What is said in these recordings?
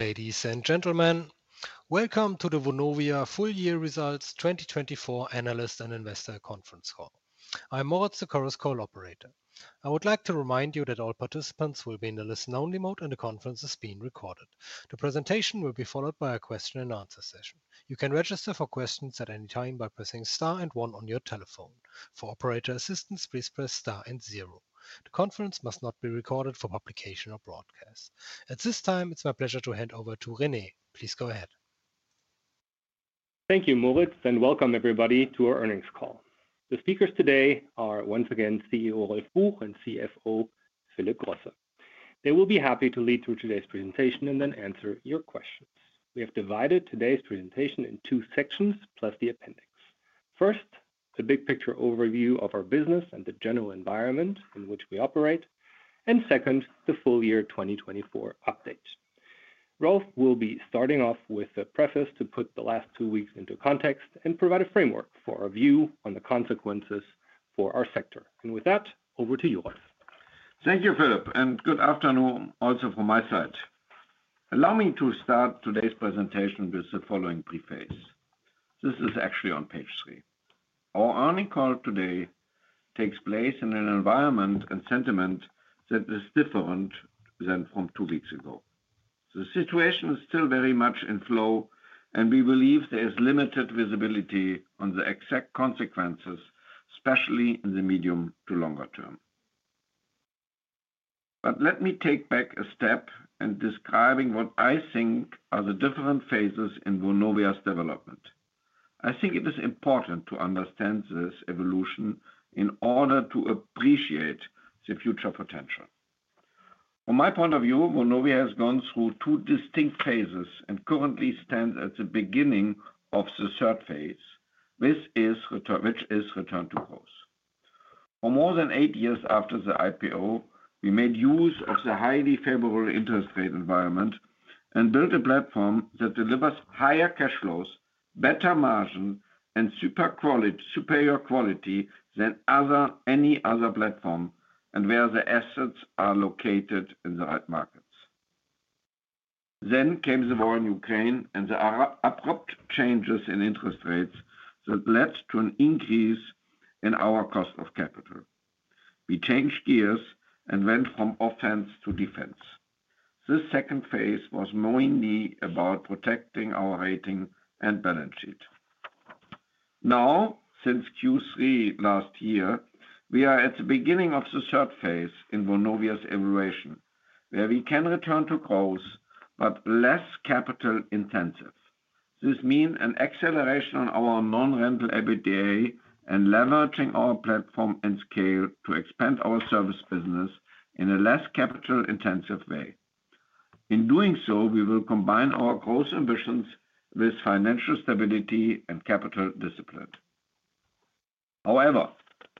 Ladies and gentlemen, welcome to the Vonovia Full Year Results 2024 Analyst and Investor Conference Call. I'm Moritz, the Chorus Call Operator. I would like to remind you that all participants will be in the listen-only mode, and the conference is being recorded. The presentation will be followed by a question-and-answer session. You can register for questions at any time by pressing star and one on your telephone. For operator assistance, please press star and zero. The conference must not be recorded for publication or broadcast. At this time, it's my pleasure to hand over to René. Please go ahead. Thank you, Moritz, and welcome everybody to our earnings call. The speakers today are, once again, CEO Rolf Buch and CFO Philip Grosse. They will be happy to lead through today's presentation and then answer your questions. We have divided today's presentation in two sections, plus the appendix. First, the big picture overview of our business and the general environment in which we operate, and second, the full year 2024 update. Rolf will be starting off with a preface to put the last two weeks into context and provide a framework for our view on the consequences for our sector. With that, over to you, Rolf. Thank you, Philip, and good afternoon also from my side. Allow me to start today's presentation with the following preface. This is actually on page three. Our earnings call today takes place in an environment and sentiment that is different than from two weeks ago. The situation is still very much in flow, and we believe there is limited visibility on the exact consequences, especially in the medium to longer term. Let me take back a step in describing what I think are the different phases in Vonovia's development. I think it is important to understand this evolution in order to appreciate the future potential. From my point of view, Vonovia has gone through two distinct phases and currently stands at the beginning of the third phase, which is return to growth. For more than eight years after the IPO, we made use of the highly favorable interest rate environment and built a platform that delivers higher cash flows, better margin, and superior quality than any other platform, and where the assets are located in the right markets. Then came the war in Ukraine and the abrupt changes in interest rates that led to an increase in our cost of capital. We changed gears and went from offense to defense. This second phase was mainly about protecting our rating and balance sheet. Now, since Q3 last year, we are at the beginning of the third phase in Vonovia's evolution, where we can return to growth, but less capital-intensive. This means an acceleration on our non-rental everyday and leveraging our platform and scale to expand our service business in a less capital-intensive way. In doing so, we will combine our growth ambitions with financial stability and capital discipline. However,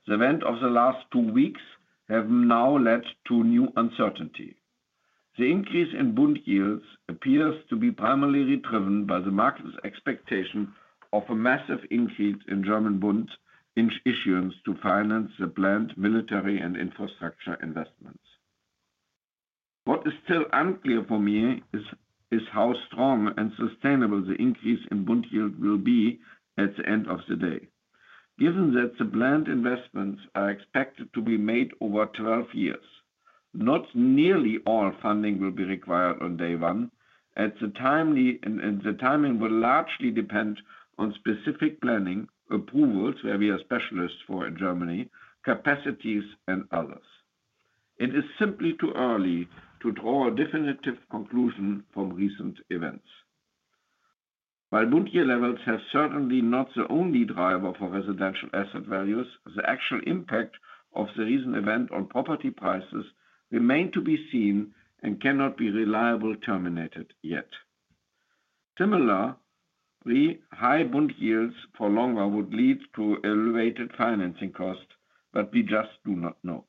the event of the last two weeks has now led to new uncertainty. The increase in bond yields appears to be primarily driven by the market's expectation of a massive increase in German bond issuance to finance the planned military and infrastructure investments. What is still unclear for me is how strong and sustainable the increase in bond yields will be at the end of the day. Given that the planned investments are expected to be made over 12 years, not nearly all funding will be required on day one, and the timing will largely depend on specific planning approvals, where we are specialists for in Germany, capacities, and others. It is simply too early to draw a definitive conclusion from recent events. While bond yield levels have certainly not been the only driver for residential asset values, the actual impact of the recent event on property prices remains to be seen and cannot be reliably determined yet. Similarly, high bond yields for longer would lead to elevated financing costs, but we just do not know.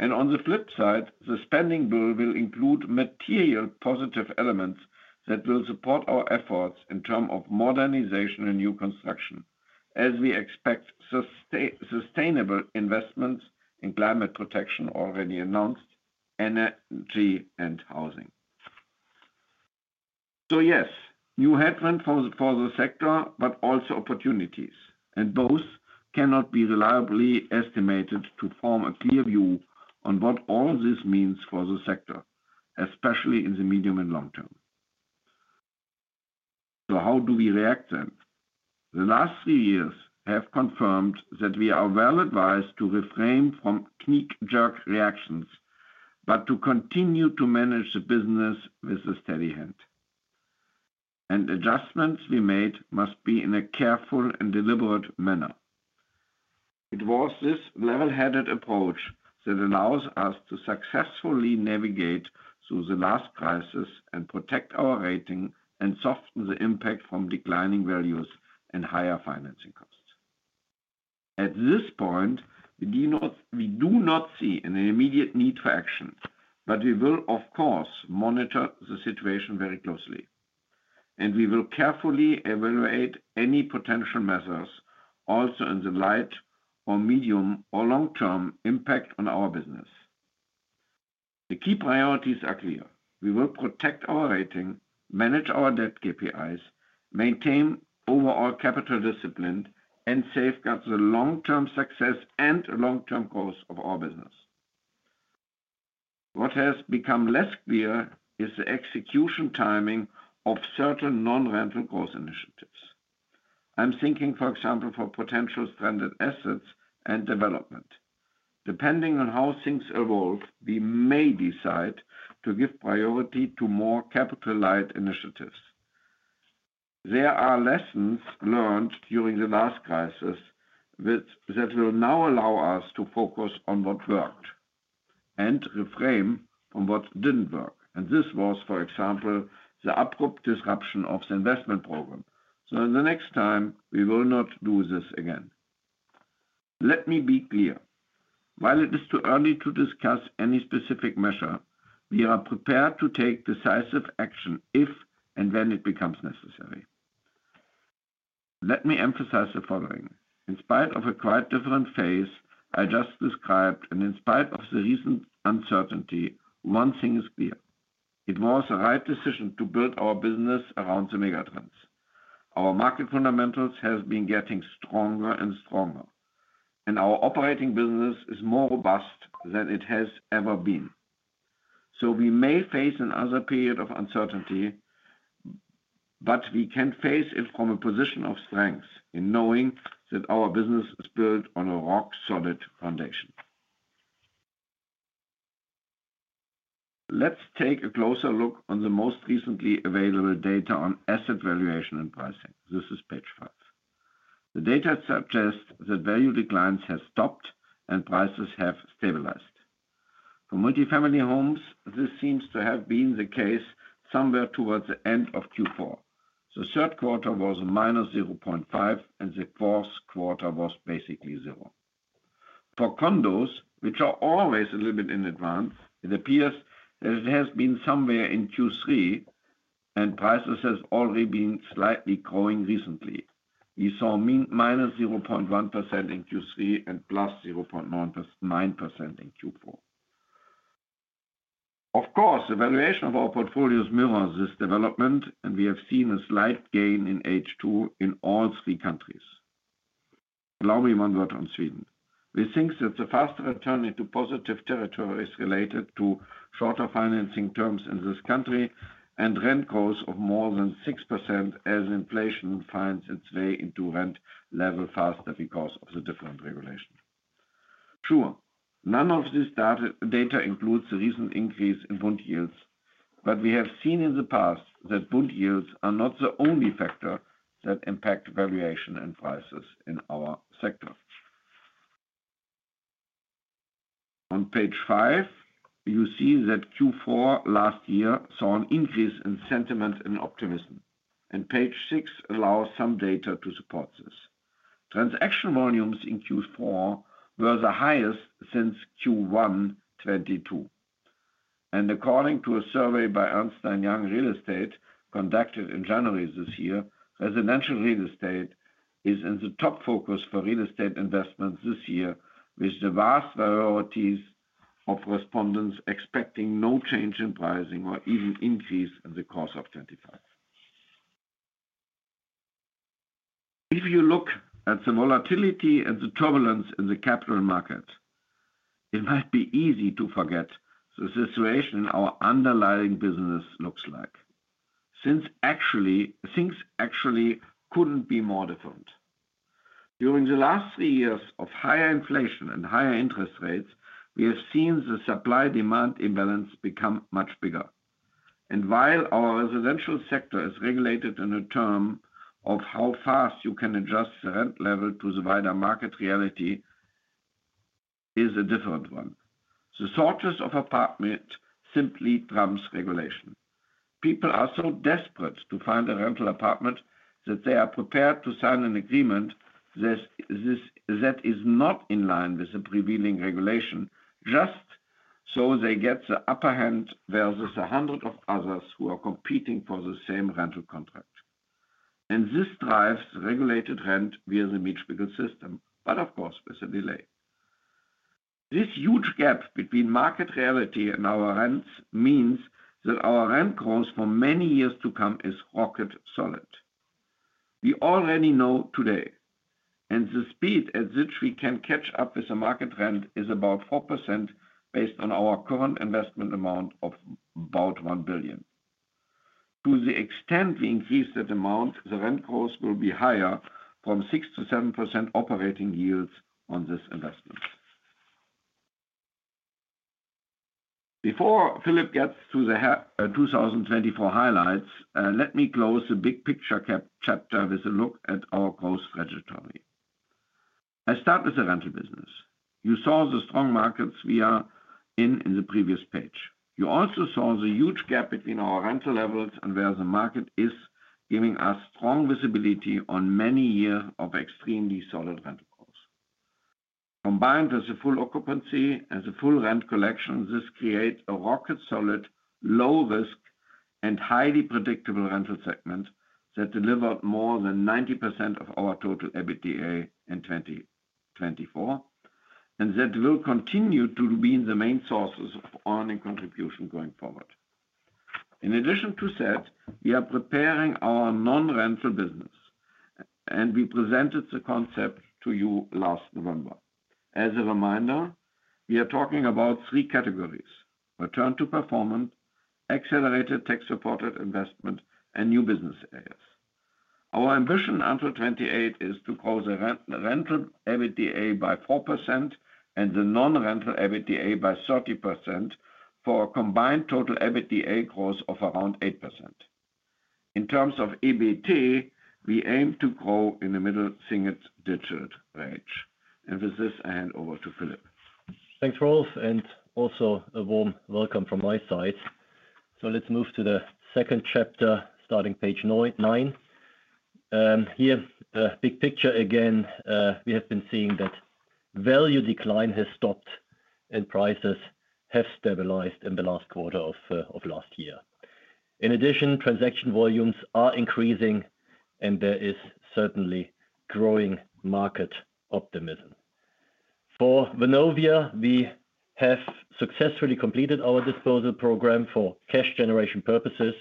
On the flip side, the spending bill will include material positive elements that will support our efforts in terms of modernization and new construction, as we expect sustainable investments in climate protection, already announced, energy, and housing. Yes, new headwinds for the sector, but also opportunities, and both cannot be reliably estimated to form a clear view on what all this means for the sector, especially in the medium and long term. How do we react then? The last three years have confirmed that we are well advised to refrain from knee-jerk reactions, but to continue to manage the business with a steady hand. Adjustments we made must be in a careful and deliberate manner. It was this level-headed approach that allows us to successfully navigate through the last crisis and protect our rating and soften the impact from declining values and higher financing costs. At this point, we do not see an immediate need for action, but we will, of course, monitor the situation very closely. We will carefully evaluate any potential measures, also in the light or medium or long-term impact on our business. The key priorities are clear. We will protect our rating, manage our debt KPIs, maintain overall capital discipline, and safeguard the long-term success and long-term growth of our business. What has become less clear is the execution timing of certain non-rental growth initiatives. I'm thinking, for example, for potential stranded assets and development. Depending on how things evolve, we may decide to give priority to more capital-light initiatives. There are lessons learned during the last crisis that will now allow us to focus on what worked and reframe on what did not work. This was, for example, the abrupt disruption of the investment program. The next time, we will not do this again. Let me be clear. While it is too early to discuss any specific measure, we are prepared to take decisive action if and when it becomes necessary. Let me emphasize the following. In spite of a quite different phase I just described and in spite of the recent uncertainty, one thing is clear. It was the right decision to build our business around the mega trends. Our market fundamentals have been getting stronger and stronger, and our operating business is more robust than it has ever been. We may face another period of uncertainty, but we can face it from a position of strength in knowing that our business is built on a rock-solid foundation. Let's take a closer look on the most recently available data on asset valuation and pricing. This is page five. The data suggests that value declines have stopped and prices have stabilized. For multifamily homes, this seems to have been the case somewhere towards the end of Q4. The third quarter was a minus 0.5, and the fourth quarter was basically zero. For condos, which are always a little bit in advance, it appears that it has been somewhere in Q3, and prices have already been slightly growing recently. We saw -0.1% in Q3 and +0.9% in Q4. Of course, the valuation of our portfolios mirrors this development, and we have seen a slight gain in H2 in all three countries. Allow me one word on Sweden. We think that the faster return into positive territory is related to shorter financing terms in this country and rent growth of more than 6% as inflation finds its way into rent level faster because of the different regulation. Sure, none of this data includes the recent increase in bond yields, but we have seen in the past that bond yields are not the only factor that impacts valuation and prices in our sector. On page five, you see that Q4 last year saw an increase in sentiment and optimism. Page six allows some data to support this. Transaction volumes in Q4 were the highest since Q1 2022. According to a survey by Ernst & Young Real Estate conducted in January this year, residential real estate is in the top focus for real estate investments this year, with the vast varieties of respondents expecting no change in pricing or even increase in the course of 2025. If you look at the volatility and the turbulence in the capital markets, it might be easy to forget what the situation in our underlying business looks like. Things actually could not be more different. During the last three years of higher inflation and higher interest rates, we have seen the supply-demand imbalance become much bigger. While our residential sector is regulated in terms of how fast you can adjust the rent level to the wider market reality, it is a different one. The shortage of apartments simply trumps regulation. People are so desperate to find a rental apartment that they are prepared to sign an agreement that is not in line with the prevailing regulation, just so they get the upper hand versus a hundred others who are competing for the same rental contract. This drives regulated rent via the Mietspiegel system, but of course with a delay. This huge gap between market reality and our rents means that our rent growth for many years to come is rock solid. We already know today, and the speed at which we can catch up with the market rent is about 4% based on our current investment amount of about 1 billion. To the extent we increase that amount, the rent growth will be higher from 6%-7% operating yields on this investment. Before Philip gets to the 2024 highlights, let me close the big picture chapter with a look at our growth trajectory. I start with the rental business. You saw the strong markets we are in in the previous page. You also saw the huge gap between our rental levels and where the market is, giving us strong visibility on many years of extremely solid rental growth. Combined with the full occupancy and the full rent collection, this creates a rock solid, low-risk, and highly predictable rental segment that delivered more than 90% of our total EBITDA in 2024, and that will continue to be the main sources of earning contribution going forward. In addition to that, we are preparing our non-rental business, and we presented the concept to you last November. As a reminder, we are talking about three categories: return to performance, accelerated tech-supported investment, and new business areas. Our ambition until 2028 is to close the rental EBITDA by 4% and the non-rental EBITDA by 30% for a combined total EBITDA growth of around 8%. In terms of EBIT, we aim to grow in the middle single-digit range. With this, I hand over to Philip. Thanks, Rolf, and also a warm welcome from my side. Let's move to the second chapter, starting page nine. Here, the big picture again, we have been seeing that value decline has stopped and prices have stabilized in the last quarter of last year. In addition, transaction volumes are increasing, and there is certainly growing market optimism. For Vonovia, we have successfully completed our disposal program for cash generation purposes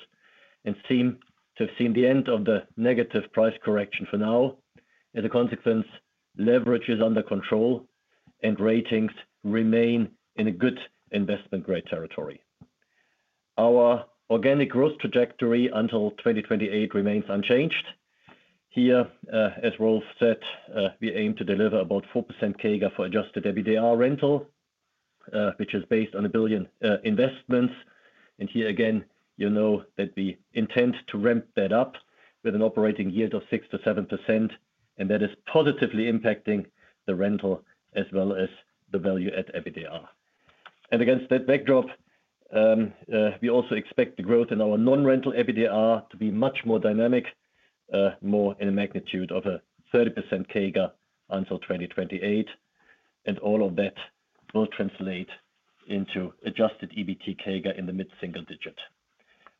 and seem to have seen the end of the negative price correction for now. As a consequence, leverage is under control, and ratings remain in a good investment-grade territory. Our organic growth trajectory until 2028 remains unchanged. Here, as Rolf said, we aim to deliver about 4% CAGR for adjusted EBITDA rental, which is based on a billion investments. Here again, you know that we intend to ramp that up with an operating yield of 6%-7%, and that is positively impacting the rental as well as the Value-add EBITDA. Against that backdrop, we also expect the growth in our non-rental EBITDA to be much more dynamic, more in a magnitude of a 30% CAGR until 2028. All of that will translate into adjusted EBIT CAGR in the mid-single digit.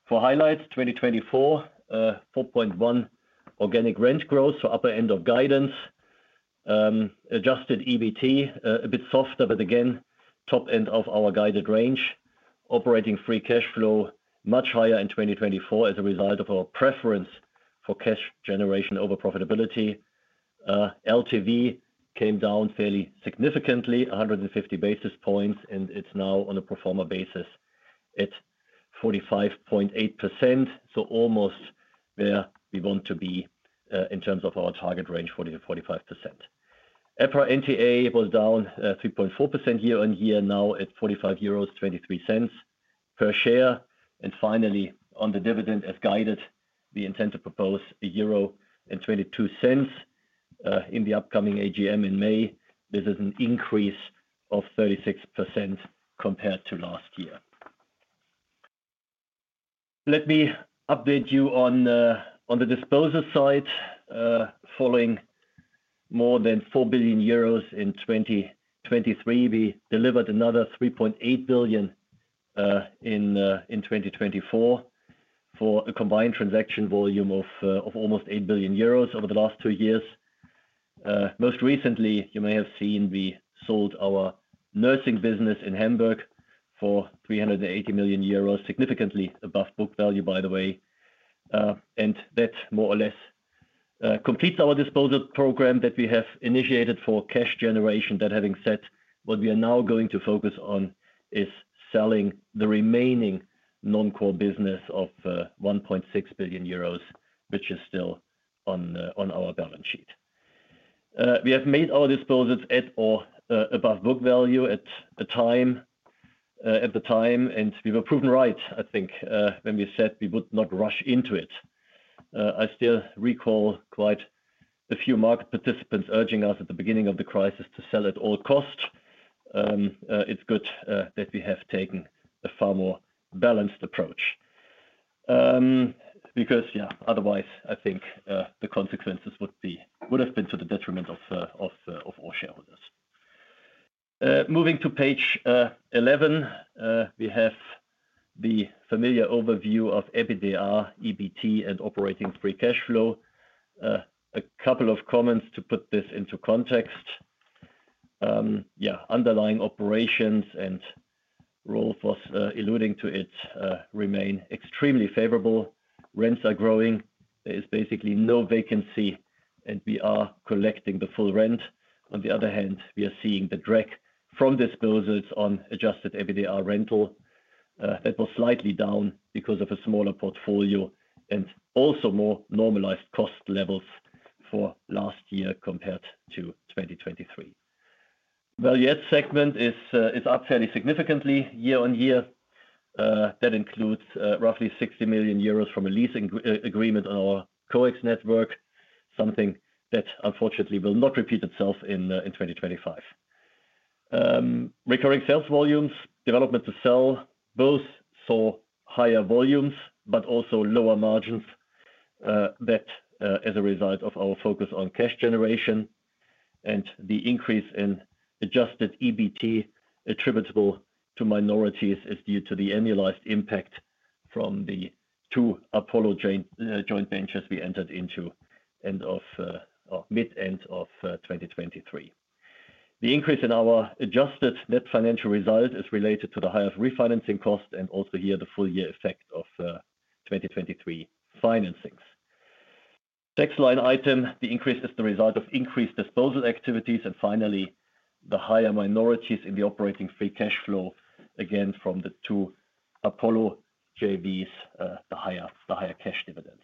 For highlights, 2024, 4.1% organic rent growth for upper end of guidance. Adjusted EBITDA, a bit softer, but again, top end of our guided range. Operating free cash flow much higher in 2024 as a result of our preference for cash generation over profitability. LTV came down fairly significantly, 150 basis points, and it is now on a pro forma basis at 45.8%, so almost where we want to be in terms of our target range for the 45%. EPRA NTA was down 3.4% year-on-year, now at 45.23 euros per share. Finally, on the dividend as guided, we intend to propose 1.22 euro in the upcoming AGM in May. This is an increase of 36% compared to last year. Let me update you on the disposal side. Following more than 4 billion euros in 2023, we delivered another 3.8 billion in 2024 for a combined transaction volume of almost 8 billion euros over the last two years. Most recently, you may have seen we sold our nursing business in Hamburg for 380 million euros, significantly above book value, by the way. That more or less completes our disposal program that we have initiated for cash generation. That having said, what we are now going to focus on is selling the remaining non-core business of 1.6 billion euros, which is still on our balance sheet. We have made our disposals at or above book value at the time, and we were proven right, I think, when we said we would not rush into it. I still recall quite a few market participants urging us at the beginning of the crisis to sell at all cost. It's good that we have taken a far more balanced approach because, yeah, otherwise, I think the consequences would have been to the detriment of all shareholders. Moving to page 11, we have the familiar overview of EBITDA, EBIT, and operating free cash flow. A couple of comments to put this into context. Yeah, underlying operations and Rolf was alluding to it remain extremely favorable. Rents are growing. There is basically no vacancy, and we are collecting the full rent. On the other hand, we are seeing the drag from disposals on adjusted EBITDA rental that was slightly down because of a smaller portfolio and also more normalized cost levels for last year compared to 2023. Value-add segment is up fairly significantly year-on-year. That includes roughly 60 million euros from a leasing agreement on our coax network, something that unfortunately will not repeat itself in 2025. Recurring sales volumes, development to sell, both saw higher volumes but also lower margins as a result of our focus on cash generation. The increase in adjusted EBIT attributable to minorities is due to the annualized impact from the two Apollo joint ventures we entered into mid-end of 2023. The increase in our adjusted net financial result is related to the higher refinancing cost and also here the full year effect of 2023 financings. The next line item, the increase is the result of increased disposal activities and finally the higher minorities in the operating free cash flow, again from the two Apollo JVs, the higher cash dividends.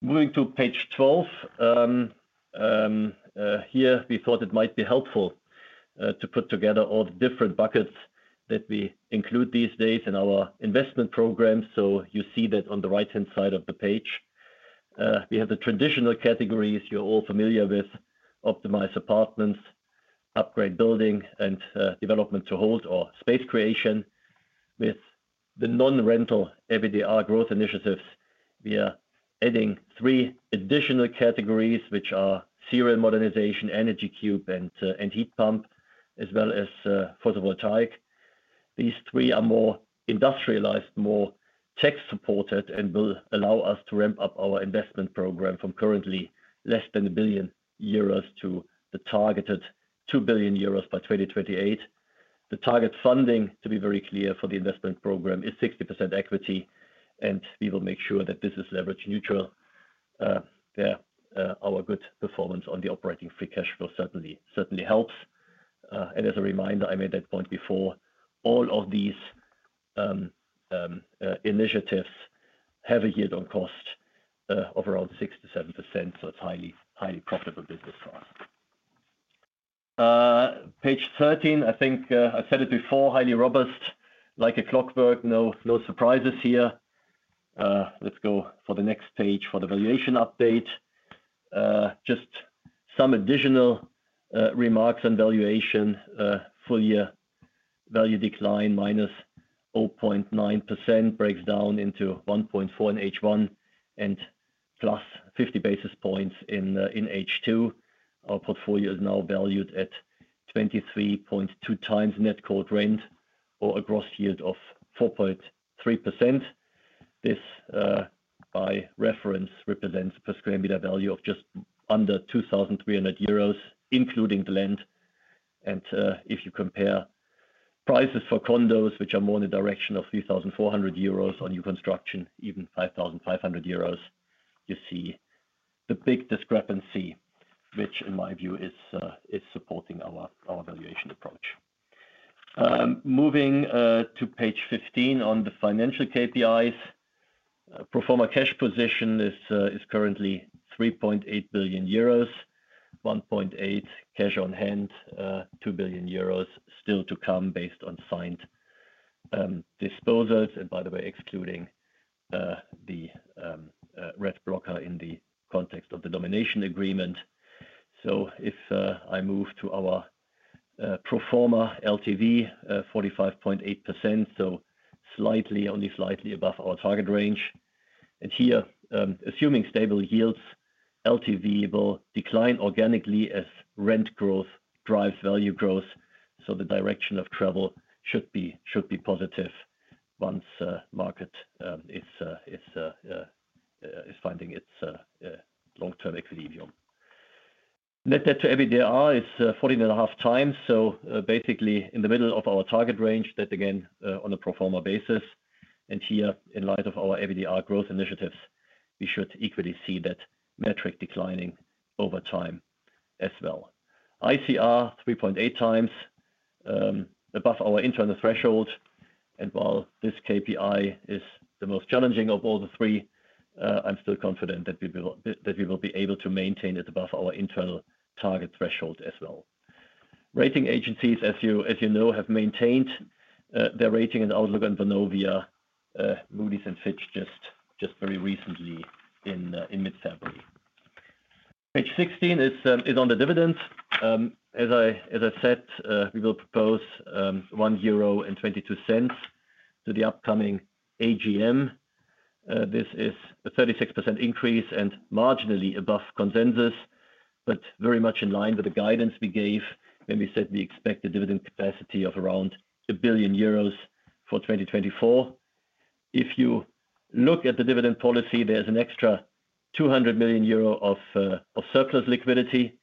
Moving to page 12, here we thought it might be helpful to put together all the different buckets that we include these days in our investment program. You see that on the right-hand side of the page, we have the traditional categories you're all familiar with: optimized apartments, upgrade building, and development to hold or space creation. With the non-rental EBITDA growth initiatives, we are adding three additional categories, which are serial modernization, Energy Cube, and heat pump, as well as photovoltaic. These three are more industrialized, more tech-supported, and will allow us to ramp up our investment program from currently less than 1 billion euros to the targeted 2 billion euros by 2028. The target funding, to be very clear, for the investment program is 60% equity, and we will make sure that this is leverage neutral. Our good performance on the operating free cash flow certainly helps. As a reminder, I made that point before, all of these initiatives have a yield on cost of around 6%-7%, so it is a highly profitable business for us. Page 13, I think I said it before, highly robust, like a clockwork, no surprises here. Let's go for the next page for the valuation update. Just some additional remarks on valuation: full year value decline minus 0.9% breaks down into 1.4 in H1 and plus 50 basis points in H2. Our portfolio is now valued at 23.2x net core rent or a gross yield of 4.3%. This, by reference, represents a per square meter value of just under 2,300 euros, including the land. If you compare prices for condos, which are more in the direction of 3,400 euros on new construction, even 5,500 euros, you see the big discrepancy, which in my view is supporting our valuation approach. Moving to page 15 on the financial KPIs, pro forma cash position is currently 3.8 billion euros, 1.8 cash on hand, 2 billion euros still to come based on signed disposals, and by the way, excluding the RETT blocker in the context of the domination agreement. If I move to our pro forma LTV, 45.8%, only slightly above our target range. Here, assuming stable yields, LTV will decline organically as rent growth drives value growth. The direction of travel should be positive once market is finding its long-term equilibrium. Net debt to EBITDA is 14.5x, basically in the middle of our target range, that again on a pro forma basis. Here, in light of our EBITDA growth initiatives, we should equally see that metric declining over time as well. ICR, 3.8x, above our internal threshold. While this KPI is the most challenging of all the three, I'm still confident that we will be able to maintain it above our internal target threshold as well. Rating agencies, as you know, have maintained their rating and outlook on Vonovia, Moody's, and Fitch just very recently in mid-February. Page 16 is on the dividends. As I said, we will propose 1.22 euro to the upcoming AGM. This is a 36% increase and marginally above consensus, but very much in line with the guidance we gave when we said we expect a dividend capacity of around 1 billion euros for 2024. If you look at the dividend policy, there's an extra 200 million euro of surplus liquidity,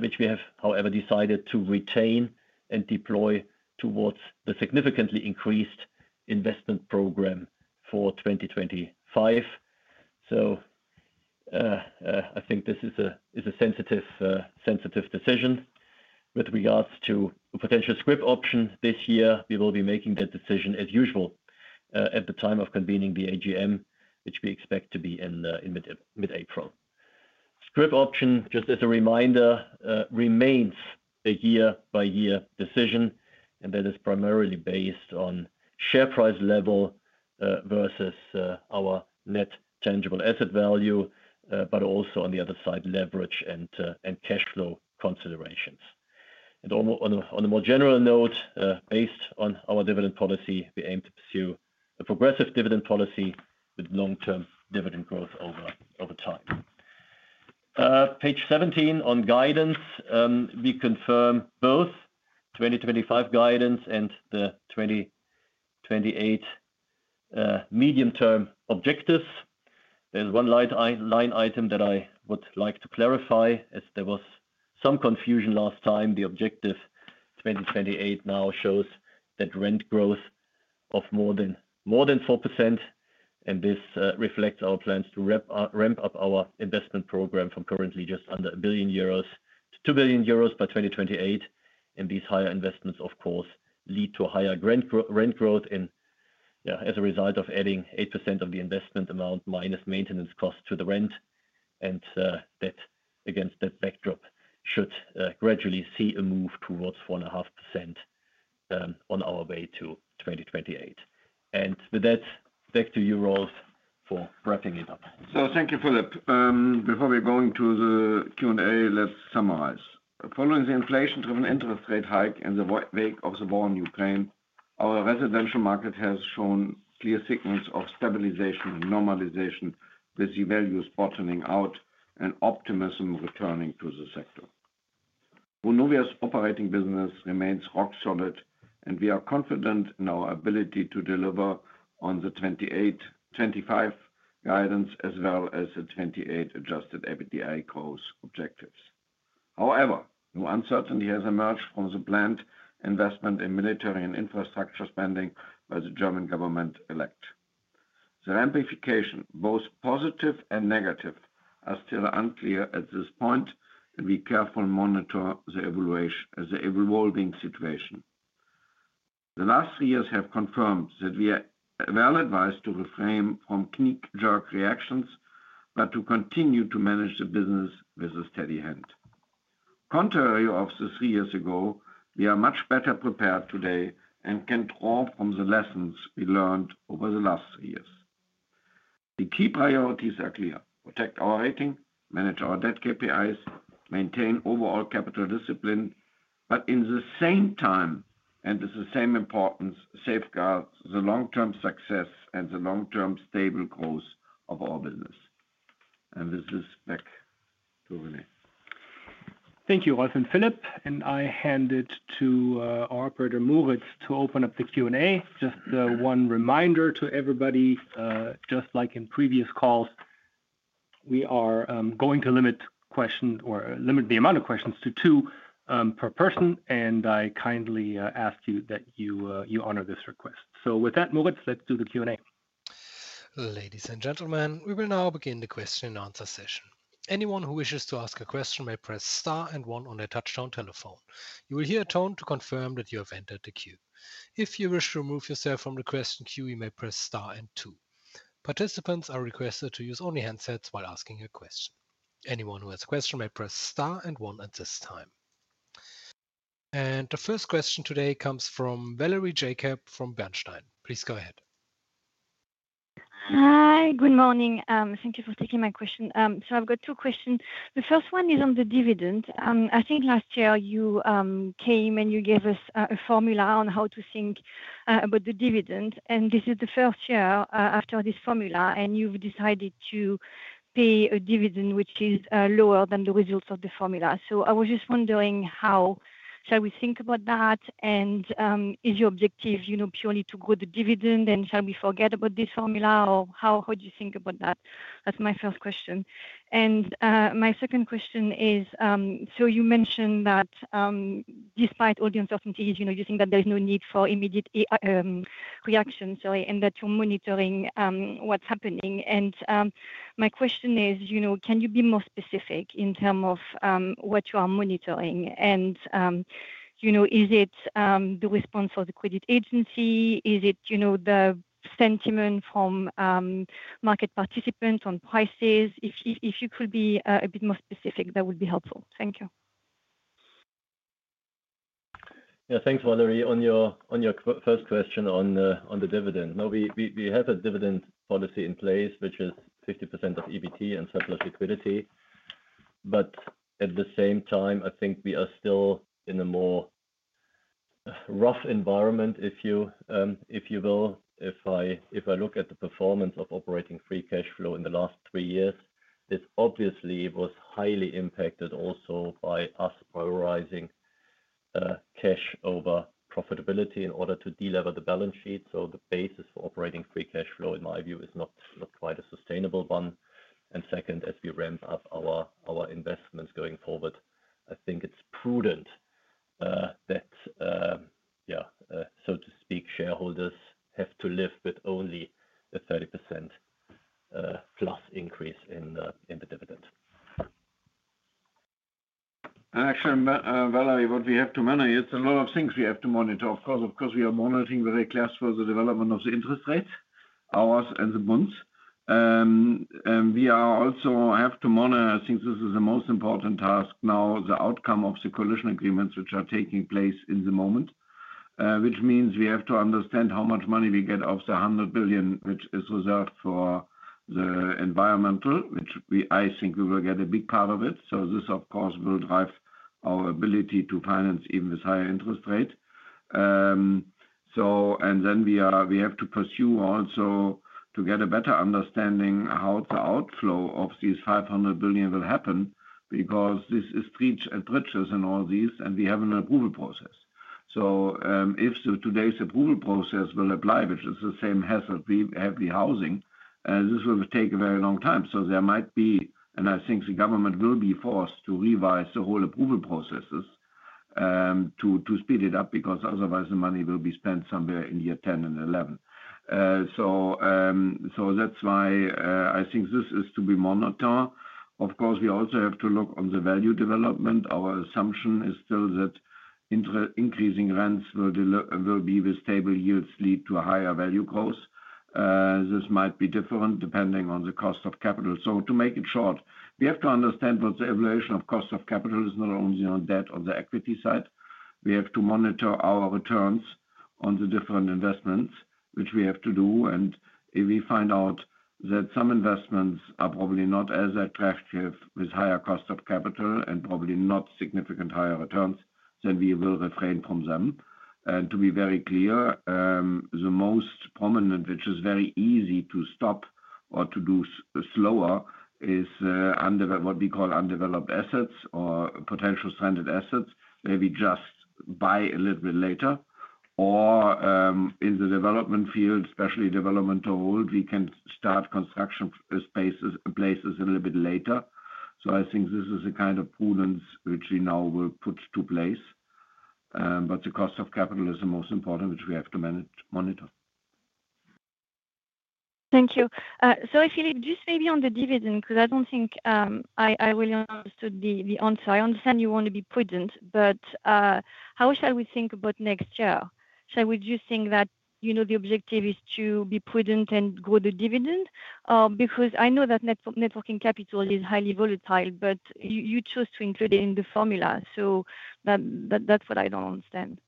which we have, however, decided to retain and deploy towards the significantly increased investment program for 2025. I think this is a sensitive decision. With regards to a potential scrip option this year, we will be making that decision as usual at the time of convening the AGM, which we expect to be in mid-April. Scrip option, just as a reminder, remains a year-by-year decision, and that is primarily based on share price level versus our net tangible asset value, but also on the other side, leverage and cash flow considerations. On a more general note, based on our dividend policy, we aim to pursue a progressive dividend policy with long-term dividend growth over time. Page 17 on guidance, we confirm both 2025 guidance and the 2028 medium-term objectives. There is one line item that I would like to clarify, as there was some confusion last time. The objective 2028 now shows that rent growth of more than 4%, and this reflects our plans to ramp up our investment program from currently just under 1 billion-2 billion euros by 2028. These higher investments, of course, lead to higher rent growth as a result of adding 8% of the investment amount minus maintenance cost to the rent. Against that backdrop, should gradually see a move towards 4.5% on our way to 2028. With that, back to you, Rolf, for wrapping it up. Thank you, Philip. Before we go into the Q&A, let's summarize. Following the inflation-driven interest rate hike in the wake of the war in Ukraine, our residential market has shown clear signals of stabilization and normalization, with the values bottoming out and optimism returning to the sector. Vonovia's operating business remains rock solid, and we are confident in our ability to deliver on the 2025 guidance as well as the 2028 adjusted EBITDA goals and objectives. However, new uncertainty has emerged from the planned investment in military and infrastructure spending by the German government elect. The ramifications, both positive and negative, are still unclear at this point, and we carefully monitor the evolving situation. The last three years have confirmed that we are well advised to refrain from knee-jerk reactions, but to continue to manage the business with a steady hand. Contrary to three years ago, we are much better prepared today and can draw from the lessons we learned over the last three years. The key priorities are clear: protect our rating, manage our debt KPIs, maintain overall capital discipline, but at the same time and with the same importance, safeguard the long-term success and the long-term stable growth of our business. With this, back to René. Thank you, Rolf and Philip, and I hand it to our operator, Moritz, to open up the Q&A. Just one reminder to everybody, just like in previous calls, we are going to limit the amount of questions to two per person, and I kindly ask you that you honor this request. With that, Moritz, let's do the Q&A. Ladies and gentlemen, we will now begin the question and answer session. Anyone who wishes to ask a question may press star and one on their touch-tone telephone. You will hear a tone to confirm that you have entered the queue. If you wish to remove yourself from the question queue, you may press star and two. Participants are requested to use only handsets while asking a question. Anyone who has a question may press star and one at this time. The first question today comes from Valerie Jacob from Bernstein. Please go ahead. Hi, good morning. Thank you for taking my question. I have two questions. The first one is on the dividend. I think last year you came and you gave us a formula on how to think about the dividend, and this is the first year after this formula, and you have decided to pay a dividend which is lower than the results of the formula. I was just wondering, how shall we think about that? Is your objective purely to grow the dividend, and shall we forget about this formula? How do you think about that? That is my first question. My second question is, you mentioned that despite all the uncertainties, you think that there is no need for immediate reaction, and that you are monitoring what is happening. My question is, can you be more specific in terms of what you are monitoring? Is it the response of the credit agency? Is it the sentiment from market participants on prices? If you could be a bit more specific, that would be helpful. Thank you. Yeah, thanks, Valerie, on your first question on the dividend. No, we have a dividend policy in place, which is 50% of EBIT and surplus liquidity. At the same time, I think we are still in a more rough environment, if you will. If I look at the performance of operating free cash flow in the last three years, it obviously was highly impacted also by us prioritizing cash over profitability in order to delever the balance sheet. The basis for operating free cash flow, in my view, is not quite a sustainable one. Second, as we ramp up our investments going forward, I think it's prudent that, yeah, so to speak, shareholders have to live with only a 30%+ increase in the dividend. Actually, Valerie, what we have to manage, it's a lot of things we have to monitor. Of course, we are monitoring very closely the development of the interest rates, ours and the bonds. We also have to monitor, I think this is the most important task now, the outcome of the coalition agreements which are taking place in the moment, which means we have to understand how much money we get of the 100 billion which is reserved for the environmental, which I think we will get a big part of it. This, of course, will drive our ability to finance even with higher interest rates. We have to pursue also to get a better understanding how the outflow of these 500 billion will happen, because this is breaches and all these, and we have an approval process. If today's approval process will apply, which is the same hassle we have with housing, this will take a very long time. There might be, and I think the government will be forced to revise the whole approval processes to speed it up, because otherwise the money will be spent somewhere in year 10 and 11. That is why I think this is to be monotone. Of course, we also have to look on the value development. Our assumption is still that increasing rents will be, with stable yields, lead to higher value growth. This might be different depending on the cost of capital. To make it short, we have to understand what the evolution of cost of capital is, not only on that on the equity side. We have to monitor our returns on the different investments, which we have to do. If we find out that some investments are probably not as attractive with higher cost of capital and probably not significant higher returns, we will refrain from them. To be very clear, the most prominent, which is very easy to stop or to do slower, is what we call undeveloped assets or potential stranded assets. Maybe just buy a little bit later. In the development field, especially development to hold, we can start construction places a little bit later. I think this is the kind of prudence which we now will put to place. The cost of capital is the most important, which we have to monitor. Thank you. If you could just maybe on the dividend, because I do not think I really understood the answer. I understand you want to be prudent, but how shall we think about next year? Would you think that the objective is to be prudent and grow the dividend? I know that networking capital is highly volatile, but you chose to include it in the formula. That is what I do not understand.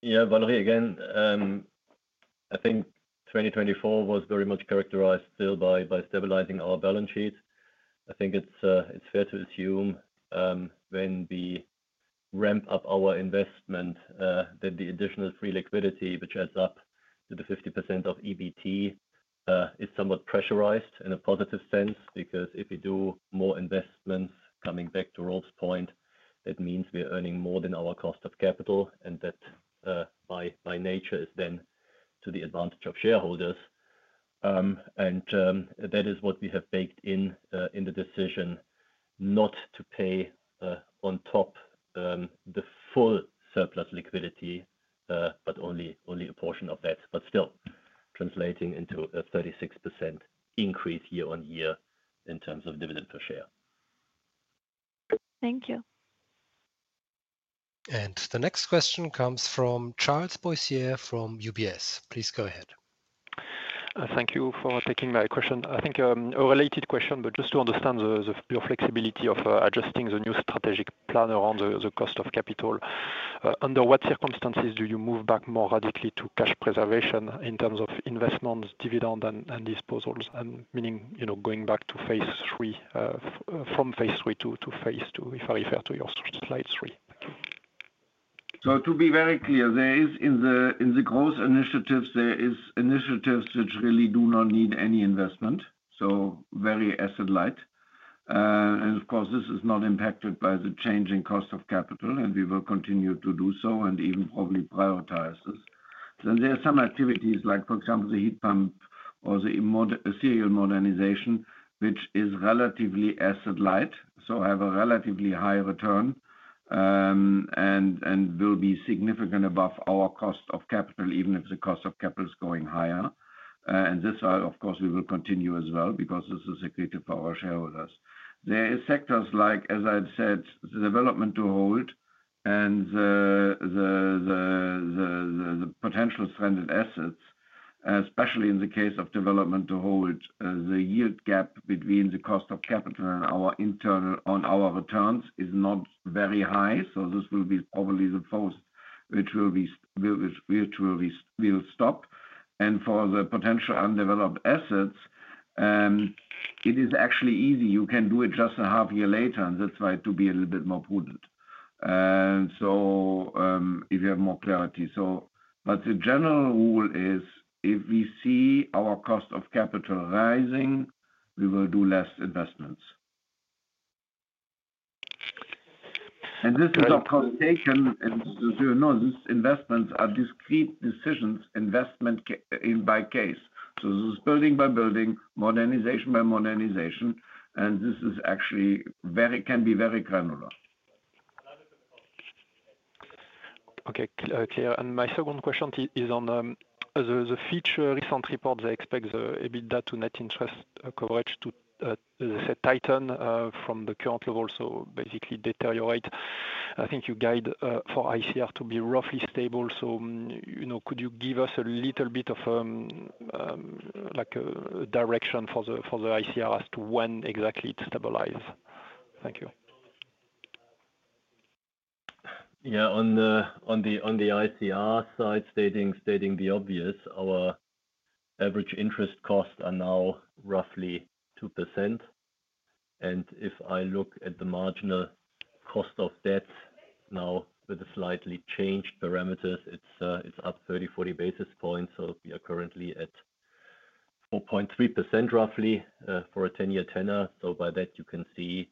Yeah, Valerie, again, I think 2024 was very much characterized still by stabilizing our balance sheet. I think it's fair to assume when we ramp up our investment that the additional free liquidity, which adds up to the 50% of EBIT, is somewhat pressurized in a positive sense, because if we do more investments, coming back to Rolf's point, that means we are earning more than our cost of capital, and that by nature is then to the advantage of shareholders. That is what we have baked in the decision not to pay on top the full surplus liquidity, but only a portion of that, but still translating into a 36% increase year-on-year in terms of dividend per share. Thank you. The next question comes from Charles Boissier from UBS. Please go ahead. Thank you for taking my question. I think a related question, but just to understand your flexibility of adjusting the new strategic plan around the cost of capital. Under what circumstances do you move back more radically to cash preservation in terms of investments, dividend, and disposals? Meaning going back to phase three from phase three to phase two, if I refer to your slide three. To be very clear, in the growth initiatives, there are initiatives which really do not need any investment, so very asset-light. Of course, this is not impacted by the changing cost of capital, and we will continue to do so and even probably prioritize this. There are some activities, like for example, the heat pump or the serial modernization, which is relatively asset-light, so have a relatively high return and will be significant above our cost of capital, even if the cost of capital is going higher. This are, of course, we will continue as well, because this is a creative power shareholders. There are sectors like, as I've said, the development to hold and the potential stranded assets, especially in the case of development to hold. The yield gap between the cost of capital and our returns is not very high, so this will be probably the first which will stop. For the potential undeveloped assets, it is actually easy. You can do it just a half year later, and that is why to be a little bit more prudent. If you have more clarity. The general rule is if we see our cost of capital rising, we will do less investments. This is, of course, taken, and as you know, these investments are discrete decisions, investment by case. This is building by building, modernization by modernization, and this actually can be very granular. Okay, clear. My second question is on the future recent reports. I expect the EBITDA to net interest coverage to tighten from the current level, so basically deteriorate. I think you guide for ICR to be roughly stable. Could you give us a little bit of a direction for the ICR as to when exactly it stabilizes? Thank you. Yeah, on the ICR side, stating the obvious, our average interest costs are now roughly 2%. If I look at the marginal cost of debt now with slightly changed parameters, it's up 30-40 basis points. We are currently at 4.3% roughly for a 10-year tenor. By that, you can see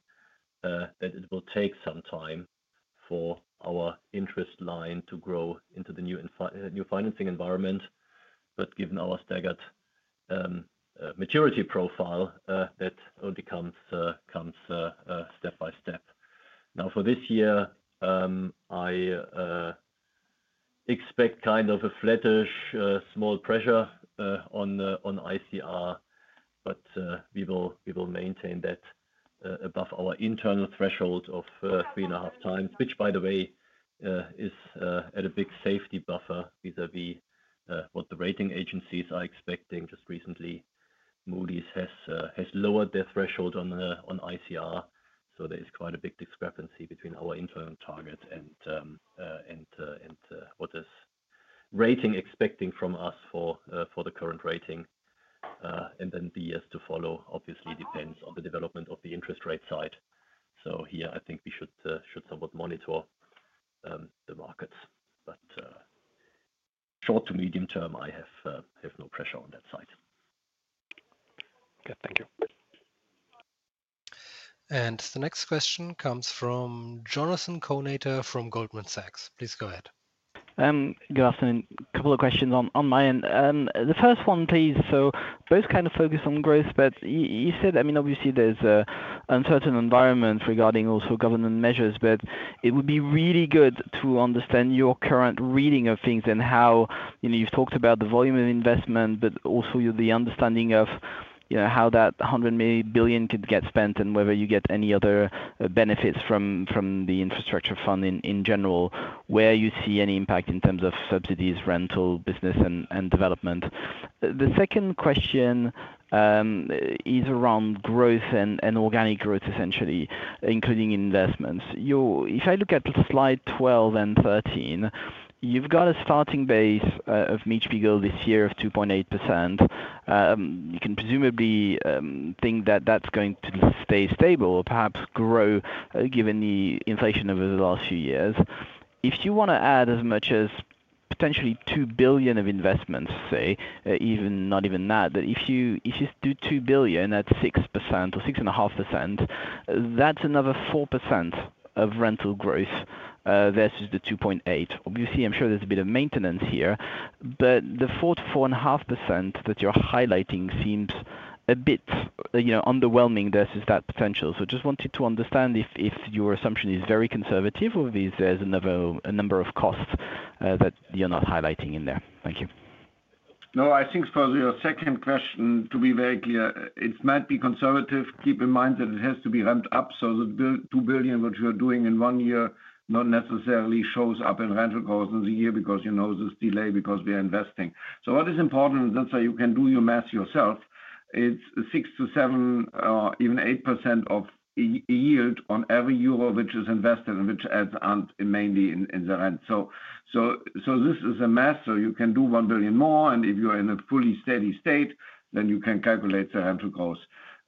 that it will take some time for our interest line to grow into the new financing environment. Given our staggered maturity profile, that only comes step by step. For this year, I expect kind of a flattish small pressure on ICR, but we will maintain that above our internal threshold of three and a half times, which, by the way, is at a big safety buffer vis-à-vis what the rating agencies are expecting. Just recently, Moody's has lowered their threshold on ICR. There is quite a big discrepancy between our internal targets and what this rating is expecting from us for the current rating. In the years to follow, obviously, it depends on the development of the interest rate side. I think we should somewhat monitor the markets. Short to medium term, I have no pressure on that side. Good, thank you. The next question comes from Jonathan Kownator from Goldman Sachs. Please go ahead. Good afternoon. A couple of questions on my end. The first one, please. Both kind of focus on growth, but you said, I mean, obviously, there's an uncertain environment regarding also government measures, but it would be really good to understand your current reading of things and how you've talked about the volume of investment, but also the understanding of how that 100 billion could get spent and whether you get any other benefits from the infrastructure fund in general, where you see any impact in terms of subsidies, rental, business, and development. The second question is around growth and organic growth, essentially, including investments. If I look at slide 12 and 13, you've got a starting base of Mietspiegel this year of 2.8%. You can presumably think that that's going to stay stable or perhaps grow given the inflation over the last few years. If you want to add as much as potentially 2 billion of investments, say, not even that, but if you do 2 billion at 6% or 6.5%, that's another 4% of rental growth versus the 2.8%. Obviously, I'm sure there's a bit of maintenance here, but the 4%-4.5% that you're highlighting seems a bit underwhelming versus that potential. Just wanted to understand if your assumption is very conservative or if there's a number of costs that you're not highlighting in there. Thank you. No, I think for your second question, to be very clear, it might be conservative. Keep in mind that it has to be ramped up. The 2 billion which you're doing in one year not necessarily shows up in rental growth in the year because this delay because we are investing. What is important, and that's why you can do your math yourself, it's 6%-7% or even 8% of yield on every euro which is invested and which adds mainly in the rent. This is a math. You can do 1 billion more, and if you're in a fully steady state, then you can calculate the rental growth.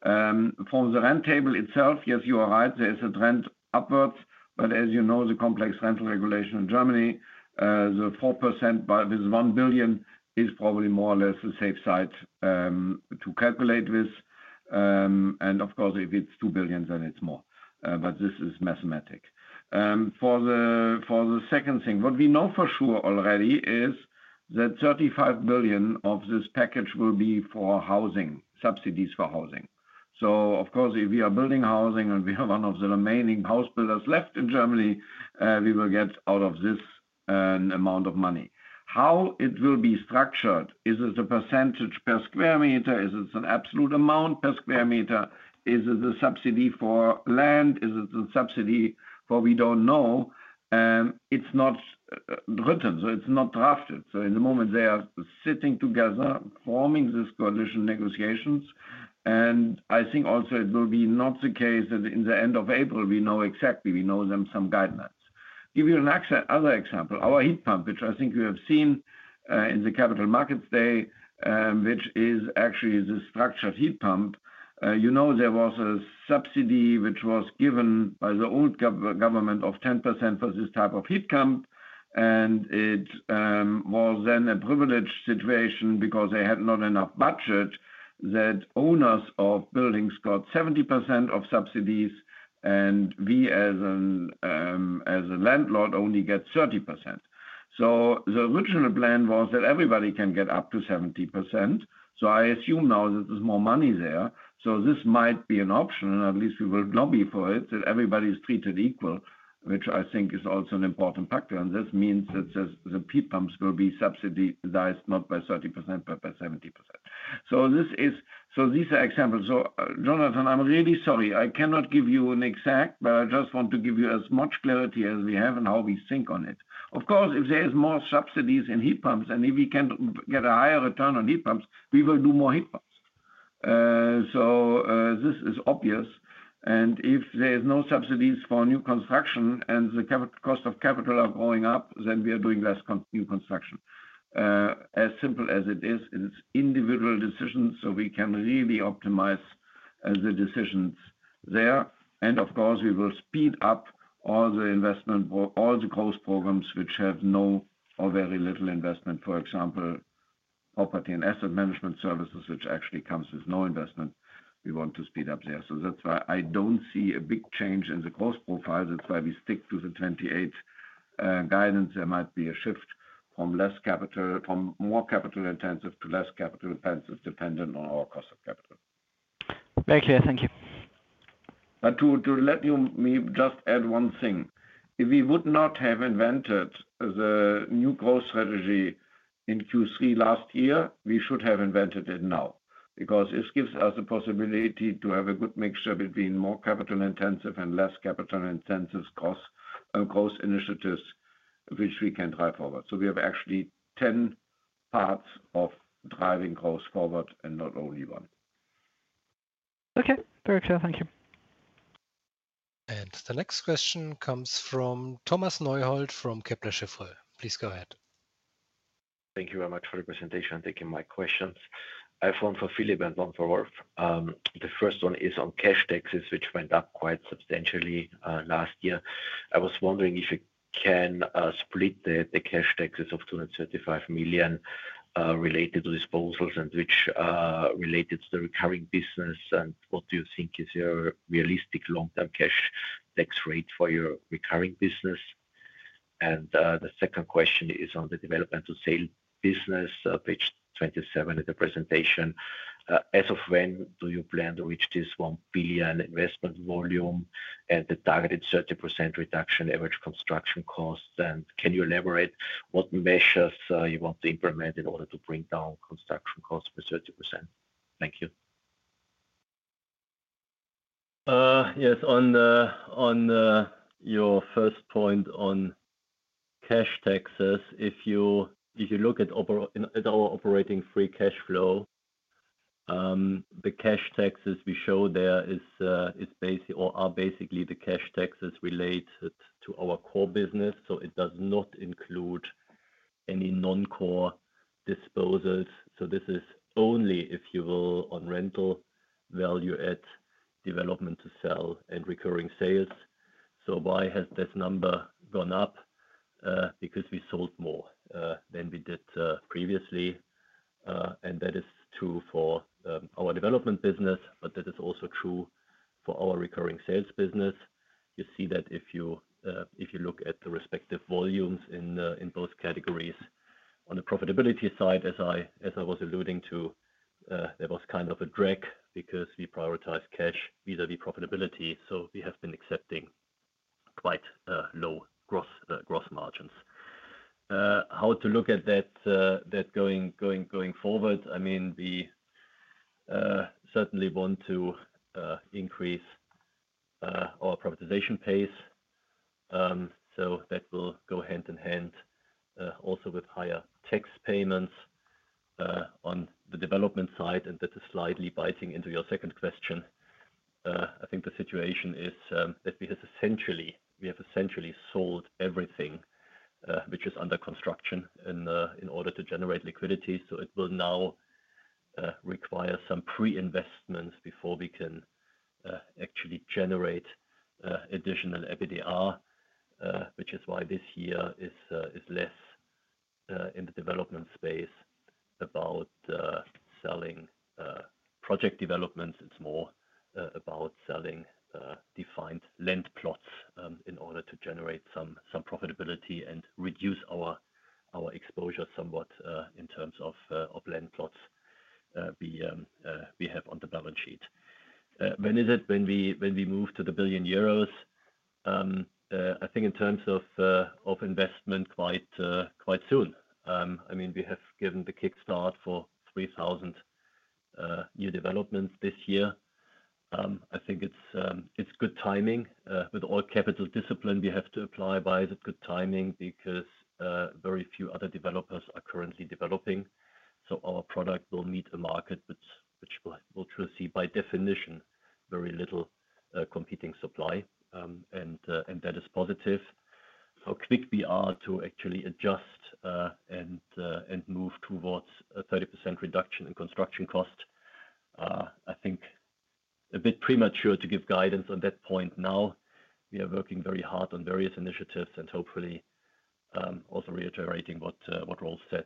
For the rent table itself, yes, you are right, there is a trend upwards, but as you know, the complex rental regulation in Germany, the 4% with 1 billion is probably more or less the safe side to calculate with. Of course, if it is 2 billion, then it is more, but this is mathematic. For the second thing, what we know for sure already is that 35 billion of this package will be for housing, subsidies for housing. Of course, if we are building housing and we have one of the remaining house builders left in Germany, we will get out of this an amount of money. How it will be structured, is it a percentage per square meter? Is it an absolute amount per square meter? Is it a subsidy for land? Is it a subsidy for we do not know? It is not written, so it is not drafted. In the moment, they are sitting together, forming this coalition negotiations. I think also it will be not the case that in the end of April, we know exactly, we know them some guidelines. Give you another example, our heat pump, which I think you have seen in the Capital Markets Day, which is actually the structured heat pump. You know there was a subsidy which was given by the old government of 10% for this type of heat pump, and it was then a privileged situation because they had not enough budget that owners of buildings got 70% of subsidies, and we as a landlord only get 30%. The original plan was that everybody can get up to 70%. I assume now that there's more money there. This might be an option, and at least we will lobby for it that everybody is treated equal, which I think is also an important factor. This means that the heat pumps will be subsidized not by 30% but by 70%. These are examples. Jonathan, I'm really sorry. I cannot give you an exact, but I just want to give you as much clarity as we have and how we think on it. Of course, if there are more subsidies in heat pumps and if we can get a higher return on heat pumps, we will do more heat pumps. This is obvious. If there are no subsidies for new construction and the cost of capital are going up, then we are doing less new construction. As simple as it is, it's individual decisions, so we can really optimize the decisions there. Of course, we will speed up all the investment, all the growth programs which have no or very little investment, for example, property and asset management services, which actually comes with no investment. We want to speed up there. That is why I do not see a big change in the growth profiles. That is why we stick to the 2028 guidance. There might be a shift from more capital intensive to less capital intensive dependent on our cost of capital. Very clear. Thank you. Let me just add one thing. If we would not have invented the new growth strategy in Q3 last year, we should have invented it now, because it gives us the possibility to have a good mixture between more capital intensive and less capital intensive growth initiatives, which we can drive forward. We have actually 10 parts of driving growth forward and not only one. Okay, very clear. Thank you. The next question comes from Thomas Neuhold from Kepler Cheuvreux. Please go ahead. Thank you very much for the presentation and taking my questions. I phoned for Philip and one for Rolf. The first one is on cash taxes, which went up quite substantially last year. I was wondering if you can split the cash taxes of 235 million related to disposals and which related to the recurring business, and what do you think is your realistic long-term cash tax rate for your recurring business? The second question is on the development to sale business, page 27 of the presentation. As of when do you plan to reach this 1 billion investment volume and the targeted 30% reduction average construction costs? Can you elaborate what measures you want to implement in order to bring down construction costs by 30%? Thank you. Yes, on your first point on cash taxes, if you look at our operating free cash flow, the cash taxes we show there are basically the cash taxes related to our core business, so it does not include any non-core disposals. This is only, if you will, on rental value at development to sell and recurring sales. Why has this number gone up? Because we sold more than we did previously. That is true for our development business, but that is also true for our recurring sales business. You see that if you look at the respective volumes in both categories. On the profitability side, as I was alluding to, there was kind of a drag because we prioritize cash vis-à-vis profitability, so we have been accepting quite low gross margins. How to look at that going forward? I mean, we certainly want to increase our privatization pace. That will go hand in hand also with higher tax payments on the development side, and that is slightly biting into your second question. I think the situation is that we have essentially sold everything which is under construction in order to generate liquidity. It will now require some pre-investments before we can actually generate additional EBITDA, which is why this year is less in the development space about selling project developments. It is more about selling defined land plots in order to generate some profitability and reduce our exposure somewhat in terms of land plots we have on the balance sheet. When is it when we move to the billion EUR? I think in terms of investment, quite soon. I mean, we have given the kickstart for 3,000 new developments this year. I think it is good timing. With all capital discipline we have to apply, why is it good timing? Because very few other developers are currently developing. Our product will meet a market which will see by definition very little competing supply, and that is positive. How quick we are to actually adjust and move towards a 30% reduction in construction cost, I think a bit premature to give guidance on that point now. We are working very hard on various initiatives and hopefully also reiterating what Rolf said.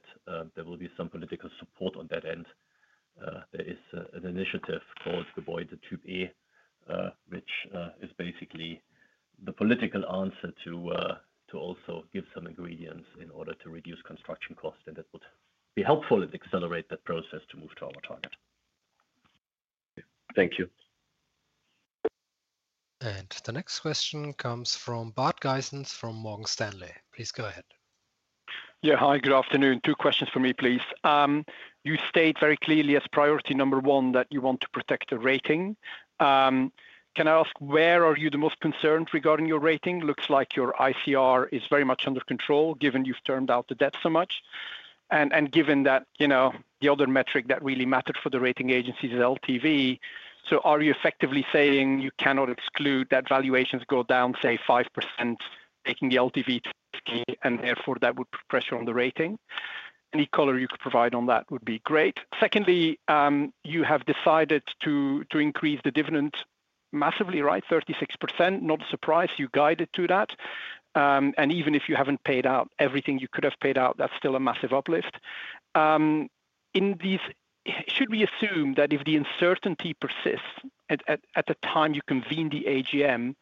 There will be some political support on that end. There is an initiative called Gebäudetyp E, which is basically the political answer to also give some ingredients in order to reduce construction costs, and that would be helpful and accelerate that process to move to our target. Thank you. The next question comes from Bart Gysens from Morgan Stanley. Please go ahead. Yeah, hi, good afternoon. Two questions for me, please. You state very clearly as priority number one that you want to protect the rating. Can I ask where are you the most concerned regarding your rating? Looks like your ICR is very much under control given you've turned out the debt so much. Given that the other metric that really mattered for the rating agencies is LTV, are you effectively saying you cannot exclude that valuations go down, say, 5%, taking the LTV to 60%, and therefore that would put pressure on the rating? Any color you could provide on that would be great. Secondly, you have decided to increase the dividend massively, right? 36%, not a surprise. You guided to that. Even if you haven't paid out everything you could have paid out, that's still a massive uplift. Should we assume that if the uncertainty persists at the time you convene the AGM,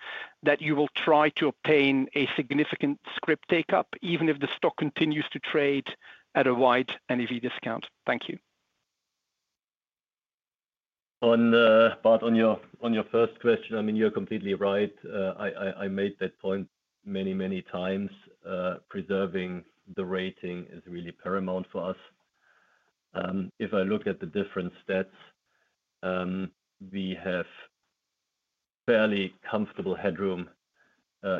that you will try to obtain a significant scrip take-up even if the stock continues to trade at a wide NAV discount? Thank you. On your first question, I mean, you're completely right. I made that point many, many times. Preserving the rating is really paramount for us. If I look at the different stats, we have fairly comfortable headroom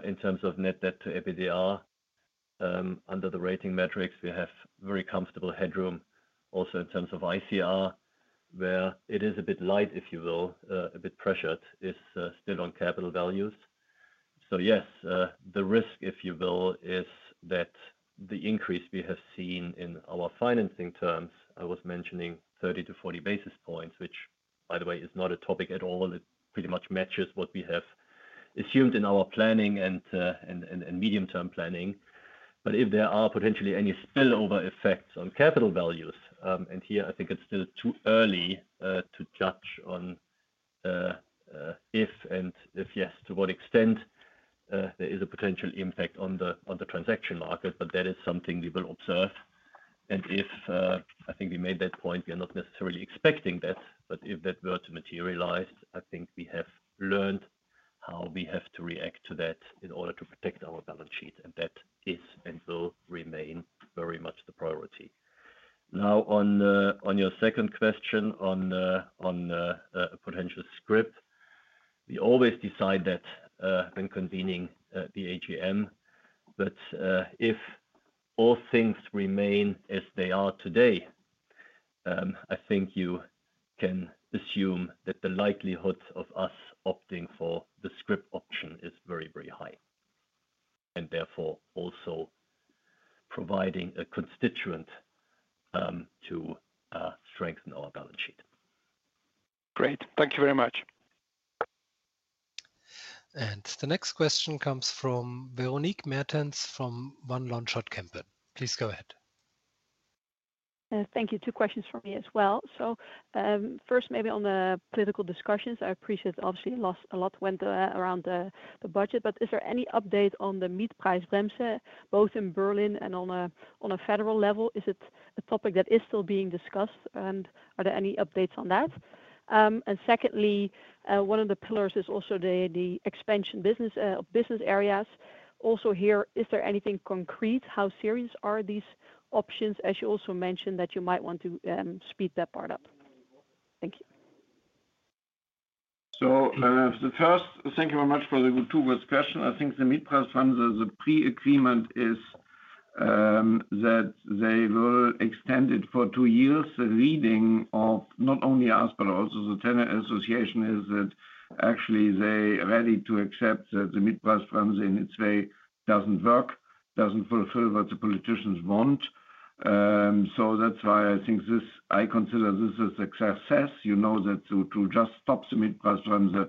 in terms of net debt to EBITDA under the rating metrics. We have very comfortable headroom. Also in terms of ICR, where it is a bit light, if you will, a bit pressured, is still on capital values. Yes, the risk, if you will, is that the increase we have seen in our financing terms, I was mentioning 30-40 basis points, which, by the way, is not a topic at all. It pretty much matches what we have assumed in our planning and medium-term planning. If there are potentially any spillover effects on capital values, I think it's still too early to judge on if and if yes, to what extent there is a potential impact on the transaction market, but that is something we will observe. I think we made that point, we are not necessarily expecting that, but if that were to materialize, I think we have learned how we have to react to that in order to protect our balance sheet, and that is and will remain very much the priority. Now, on your second question on a potential scrip, we always decide that when convening the AGM, but if all things remain as they are today, I think you can assume that the likelihood of us opting for the scrip option is very, very high, and therefore also providing a constituent to strengthen our balance sheet. Great. Thank you very much. The next question comes from Veronique Meertens from Van Lanschot Kempen. Please go ahead. Thank you. Two questions for me as well. First, maybe on the political discussions, I appreciate obviously lost a lot around the budget, but is there any update on the Mietpreisbremse, both in Berlin and on a federal level? Is it a topic that is still being discussed, and are there any updates on that? Secondly, one of the pillars is also the expansion of business areas. Also here, is there anything concrete? How serious are these options, as you also mentioned, that you might want to speed that part up? Thank you. Thank you very much for the two words question. I think the Mietpreisbremse, the pre-agreement is that they will extend it for two years. The reading of not only us, but also the tenant association is that actually they are ready to accept that the Mietpreisbremse in its way does not work, does not fulfill what the politicians want. That is why I think I consider this a success. You know that to just stop the Mietpreisbremse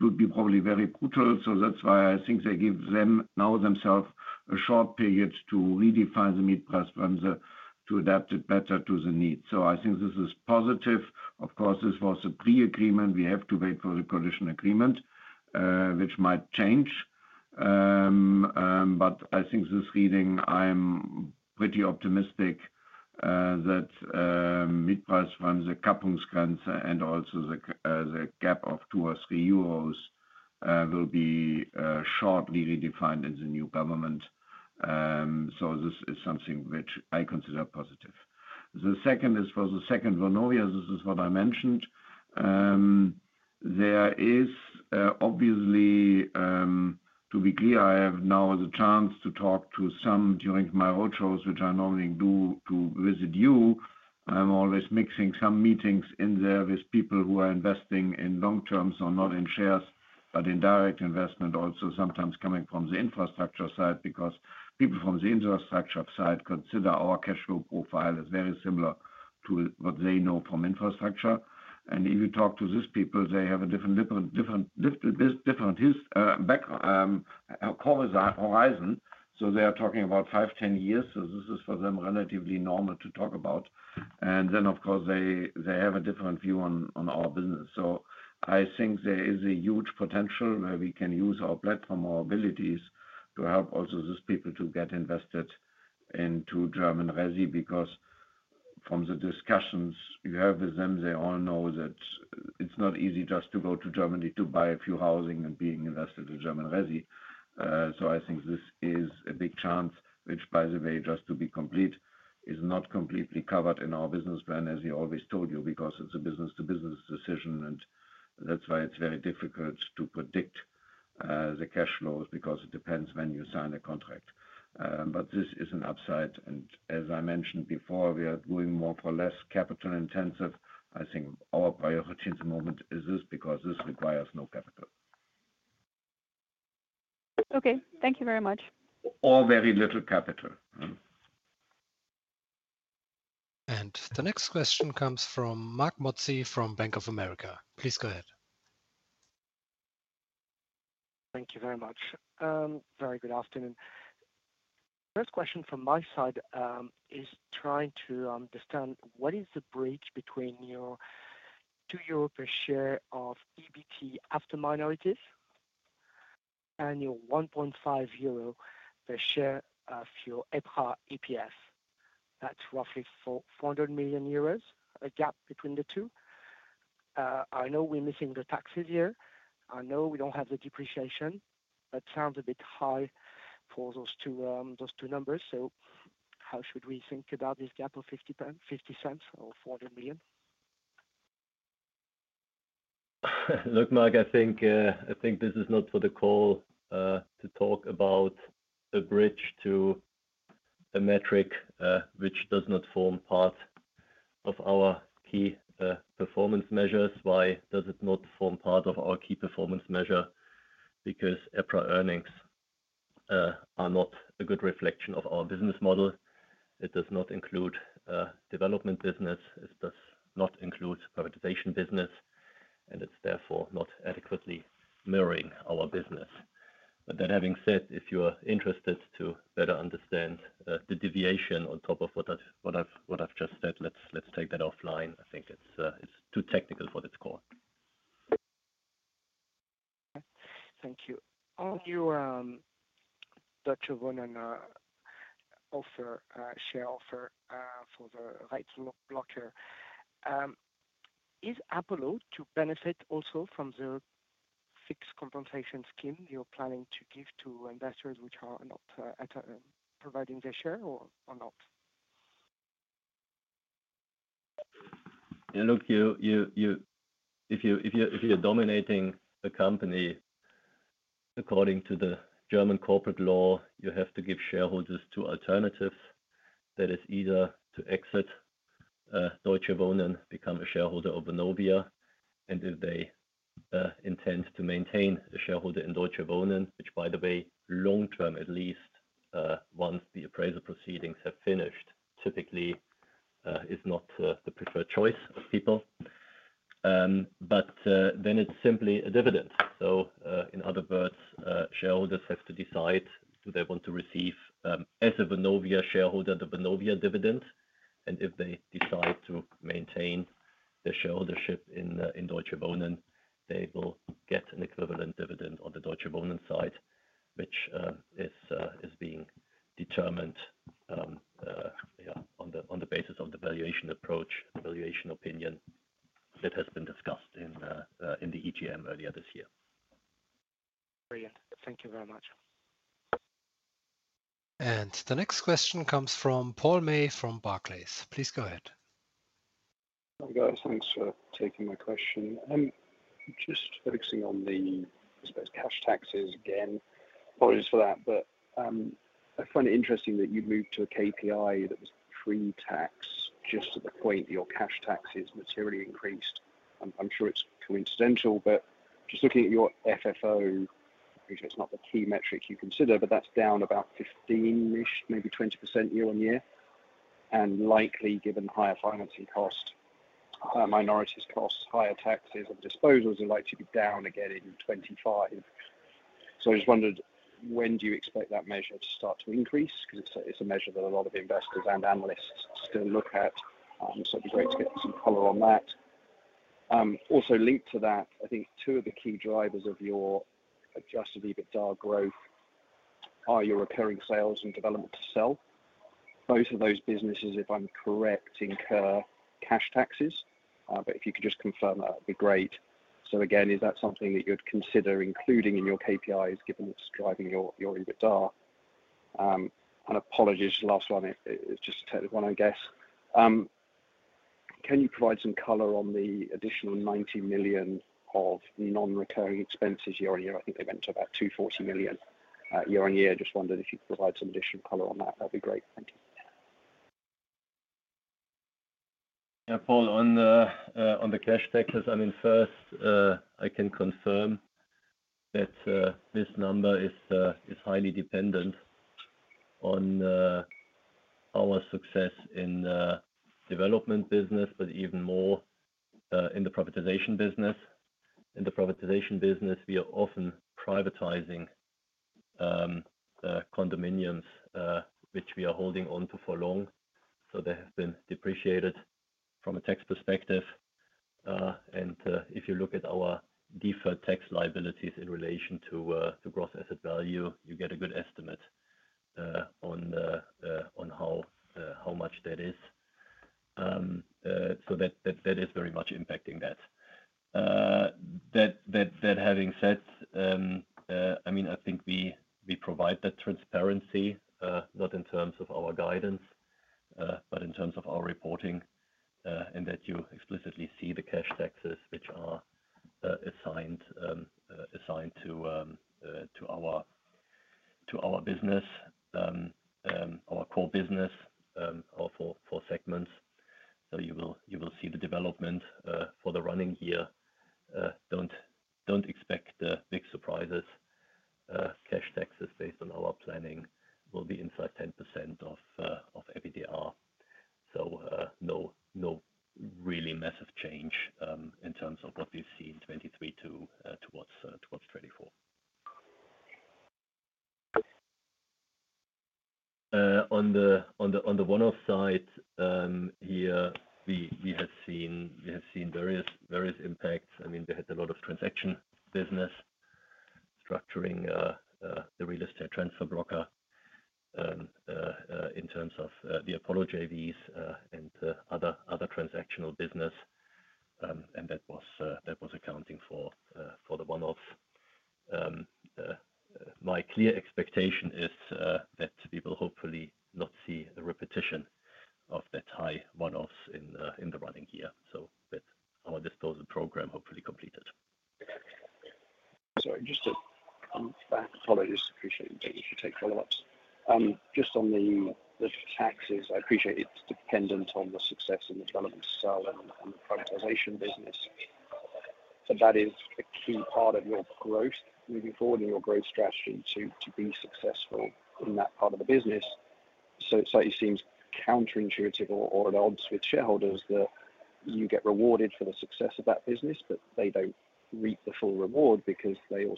would be probably very brutal. That is why I think they give themselves now a short period to redefine the Mietpreisbremse to adapt it better to the need. I think this is positive. Of course, this was a pre-agreement. We have to wait for the conditional agreement, which might change. I think this reading, I'm pretty optimistic that Mietpreisbremse, Kappungsgrenze, and also the gap of two or three euros will be shortly redefined in the new government. This is something which I consider positive. The second is for the second Vonovia. This is what I mentioned. There is obviously, to be clear, I have now the chance to talk to some during my roadshows, which I normally do to visit you. I'm always mixing some meetings in there with people who are investing in long-term, so not in shares, but in direct investment, also sometimes coming from the infrastructure side, because people from the infrastructure side consider our cash flow profile is very similar to what they know from infrastructure. If you talk to these people, they have a different background, horizon. They are talking about five, 10 years. This is for them relatively normal to talk about. Of course, they have a different view on our business. I think there is a huge potential where we can use our platform, our abilities to help also these people to get invested into German resi, because from the discussions you have with them, they all know that it's not easy just to go to Germany to buy a few housing and being invested in German resi. I think this is a big chance, which, by the way, just to be complete, is not completely covered in our business plan, as we always told you, because it's a business-to-business decision, and that's why it's very difficult to predict the cash flows, because it depends when you sign a contract. This is an upside. As I mentioned before, we are doing more for less capital intensive. I think our priority at the moment is this, because this requires no capital. Okay. Thank you very much. Or very little capital. The next question comes from Marc Mozzi from Bank of America. Please go ahead. Thank you very much. Very good afternoon. First question from my side is trying to understand what is the bridge between your 2 euro per share of EBT after minorities and your 1.5 euro per share of your EPRA EPS? That's roughly 400 million euros, a gap between the two. I know we're missing the taxes here. I know we don't have the depreciation, but it sounds a bit high for those two numbers. How should we think about this gap of 0.50 or 400 million? Look, Marc, I think this is not for the call to talk about a bridge to a metric which does not form part of our key performance measures. Why does it not form part of our key performance measure? Because EPRA earnings are not a good reflection of our business model. It does not include development business. It does not include privatization business, and it is therefore not adequately mirroring our business. With that having said, if you are interested to better understand the deviation on top of what I have just said, let's take that offline. I think it is too technical for this call. Thank you. On your Deutsche Wohnen share offer for REIT blocker, is Apollo to benefit also from the fixed compensation scheme you're planning to give to investors which are not providing their share or not? Yeah, look, if you're dominating a company, according to the German corporate law, you have to give shareholders two alternatives. That is either to exit Deutsche Wohnen, become a shareholder of Vonovia, and if they intend to maintain a shareholder in Deutsche Wohnen, which, by the way, long-term at least, once the appraisal proceedings have finished, typically is not the preferred choice of people. Then it's simply a dividend. In other words, shareholders have to decide, do they want to receive as a Vonovia shareholder, the Vonovia dividend? If they decide to maintain their shareholdership in Deutsche Wohnen, they will get an equivalent dividend on the Deutsche Wohnen side, which is being determined on the basis of the valuation approach, valuation opinion that has been discussed in the EGM earlier this year. Brilliant. Thank you very much. The next question comes from Paul May from Barclays. Please go ahead. Hi guys. Thanks for taking my question. I'm just focusing on the cash taxes again. Apologies for that, but I find it interesting that you moved to a KPI that was pre-tax just at the point that your cash taxes materially increased. I'm sure it's coincidental, but just looking at your FFO, it's not the key metric you consider, but that's down about 15%-20% year-on-year. Likely, given higher financing costs, minorities costs, higher taxes and disposals, it is likely to be down again in 2025. I just wondered, when do you expect that measure to start to increase? Because it's a measure that a lot of investors and analysts still look at. It would be great to get some color on that. Also linked to that, I think two of the key drivers of your adjusted EBITDA growth are your recurring sales and development to sell. Both of those businesses, if I'm correct, incur cash taxes. If you could just confirm that, that would be great. Is that something that you'd consider including in your KPIs, given it's driving your EBITDA? Apologies, last one. It's just a technical one, I guess. Can you provide some color on the additional 90 million of non-recurring expenses year-on-year? I think they went to about 240 million year-on-year. Just wondered if you could provide some additional color on that. That'd be great. Thank you. Yeah, Paul, on the cash taxes, I mean, first, I can confirm that this number is highly dependent on our success in development business, but even more in the privatization business. In the privatization business, we are often privatizing condominiums, which we are holding on to for long. So they have been depreciated from a tax perspective. And if you look at our deferred tax liabilities in relation to gross asset value, you get a good estimate on how much that is. So that is very much impacting that. That having said, I mean, I think we provide that transparency, not in terms of our guidance, but in terms of our reporting, and that you explicitly see the cash taxes, which are assigned to our business, our core business, our four segments. You will see the development for the running year. Do not expect big surprises. Cash taxes based on our planning will be inside 10% of EBITDA. No really massive change in terms of what we've seen 2023 towards 2024. On the Vonovia side, here,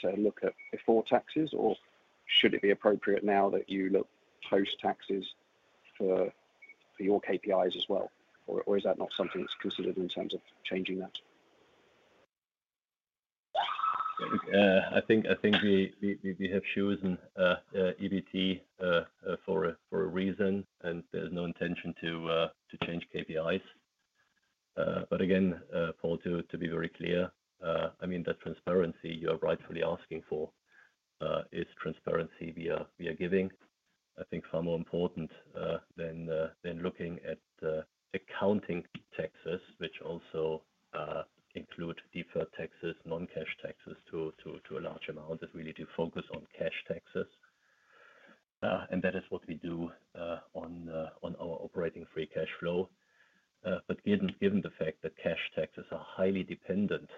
to look at before taxes, or should it be appropriate now that you look post taxes for your KPIs as well? Is that not something that's considered in terms of changing that? I think we have chosen EBT for a reason, and there's no intention to change KPIs. To be very clear, I mean, that transparency you are rightfully asking for is transparency via giving. I think far more important than looking at accounting taxes, which also include deferred taxes, non-cash taxes to a large amount, is really to focus on cash taxes. That is what we do on our operating free cash flow. Given the fact that cash taxes are highly dependent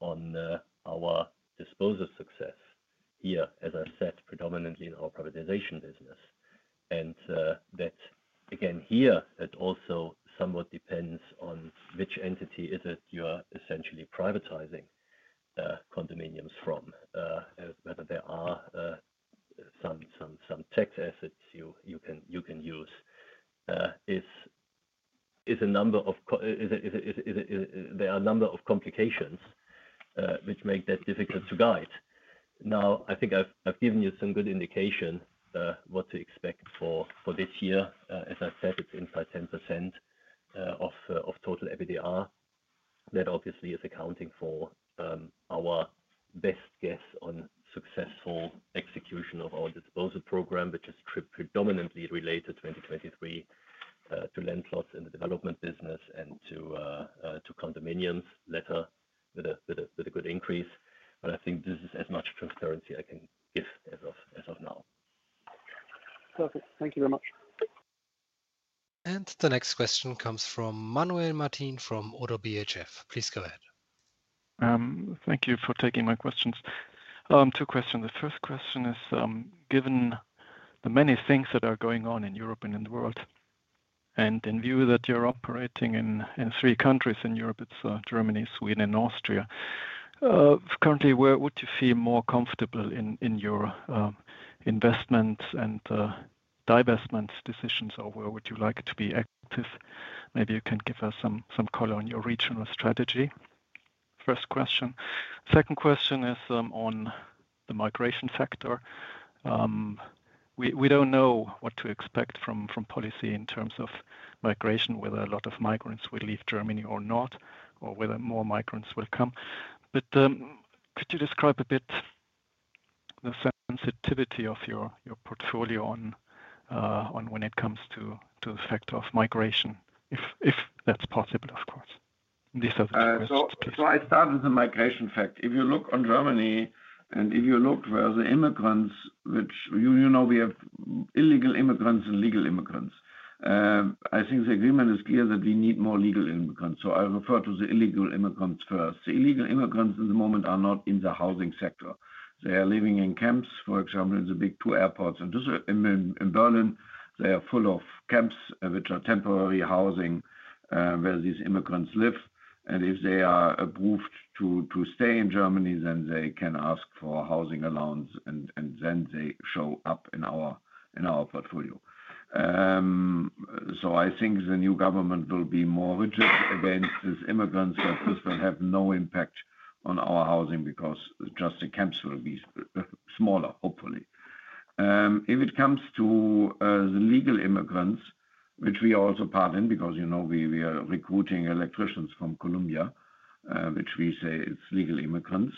on our disposal success here, as I said, predominantly in our privatization business. That, again, here, it also somewhat depends on which entity is it you are essentially privatizing condominiums from. Whether there are some tax assets you can use is a number of there are a number of complications which make that difficult to guide. Now, I think I've given you some good indication what to expect for this year. As I said, it's inside 10% of total EBITDA. That obviously is accounting for our best guess on successful execution of our disposal program, which is predominantly related 2023 to land plots in the development business and to condominiums later with a good increase. I think this is as much transparency I can give as of now. Perfect. Thank you very much. The next question comes from Manuel Martin from ODDO BHF. Please go ahead. Thank you for taking my questions. Two questions. The first question is, given the many things that are going on in Europe and in the world, and in view that you're operating in three countries in Europe, it's Germany, Sweden, and Austria, currently, where would you feel more comfortable in your investments and divestment decisions, or where would you like to be active? Maybe you can give us some color on your regional strategy. First question. Second question is on the migration factor. We don't know what to expect from policy in terms of migration, whether a lot of migrants will leave Germany or not, or whether more migrants will come. Could you describe a bit the sensitivity of your portfolio when it comes to the factor of migration, if that's possible, of course? These are the two questions, please. I start with the migration factor. If you look on Germany, and if you look where the immigrants, which we have illegal immigrants and legal immigrants, I think the agreement is clear that we need more legal immigrants. I refer to the illegal immigrants first. The illegal immigrants at the moment are not in the housing sector. They are living in camps, for example, in the big two airports. In Berlin, they are full of camps, which are temporary housing where these immigrants live. If they are approved to stay in Germany, then they can ask for housing allowance, and then they show up in our portfolio. I think the new government will be more rigid against these immigrants, but this will have no impact on our housing because just the camps will be smaller, hopefully. If it comes to the legal immigrants, which we are also part in, because we are recruiting electricians from Colombia, which we say is legal immigrants,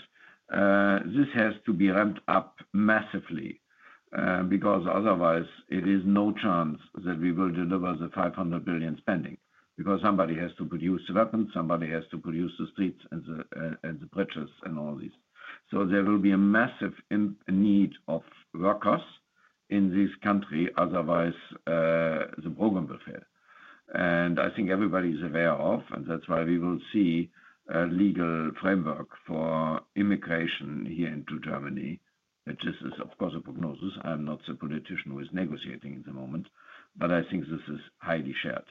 this has to be ramped up massively because otherwise it is no chance that we will deliver the 500 billion spending because somebody has to produce the weapons, somebody has to produce the streets and the bridges and all these. There will be a massive need of workers in this country, otherwise the program will fail. I think everybody is aware of, and that is why we will see a legal framework for immigration here into Germany. This is, of course, a prognosis. I am not a politician who is negotiating at the moment, but I think this is highly shared.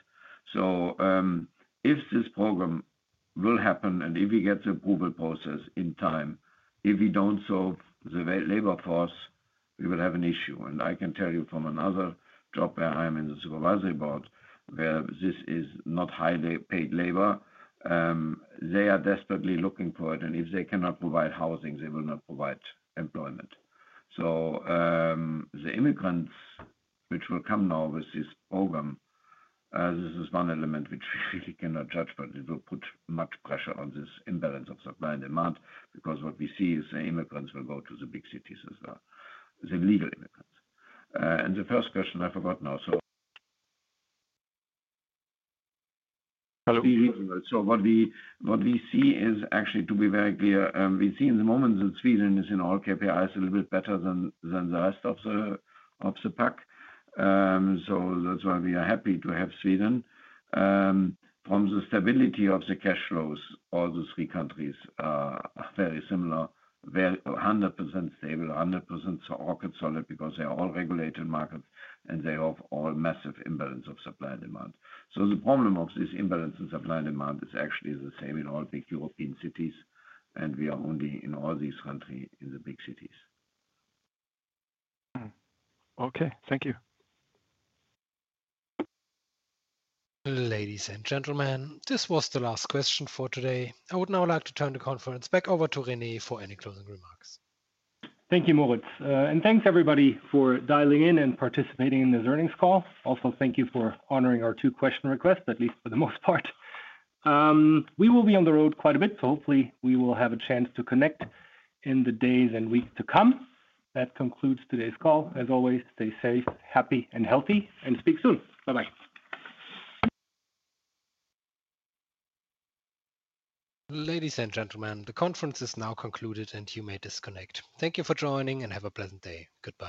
If this program will happen and if we get the approval process in time, if we do not solve the labor force, we will have an issue. I can tell you from another job where I am in the supervisory board, where this is not highly paid labor, they are desperately looking for it. If they cannot provide housing, they will not provide employment. The immigrants which will come now with this program, this is one element which we really cannot judge, but it will put much pressure on this imbalance of supply and demand because what we see is the immigrants will go to the big cities as well. The legal immigrants. The first question, I forgot now. Hello. What we see is actually, to be very clear, we see in the moment that Sweden is in all KPIs a little bit better than the rest of the pack. That is why we are happy to have Sweden. From the stability of the cash flows, all the three countries are very similar, 100% stable, 100% rocket solid because they are all regulated markets and they have all massive imbalance of supply and demand. The problem of this imbalance in supply and demand is actually the same in all big European cities, and we are only in all these countries in the big cities. Okay. Thank you. Ladies and gentlemen, this was the last question for today. I would now like to turn the conference back over to René for any closing remarks. Thank you, Moritz. And thanks, everybody, for dialing in and participating in this earnings call. Also, thank you for honoring our two question requests, at least for the most part. We will be on the road quite a bit, so hopefully we will have a chance to connect in the days and weeks to come. That concludes today's call. As always, stay safe, happy, and healthy, and speak soon. Bye-bye. Ladies and gentlemen, the conference is now concluded, and you may disconnect. Thank you for joining and have a pleasant day. Goodbye.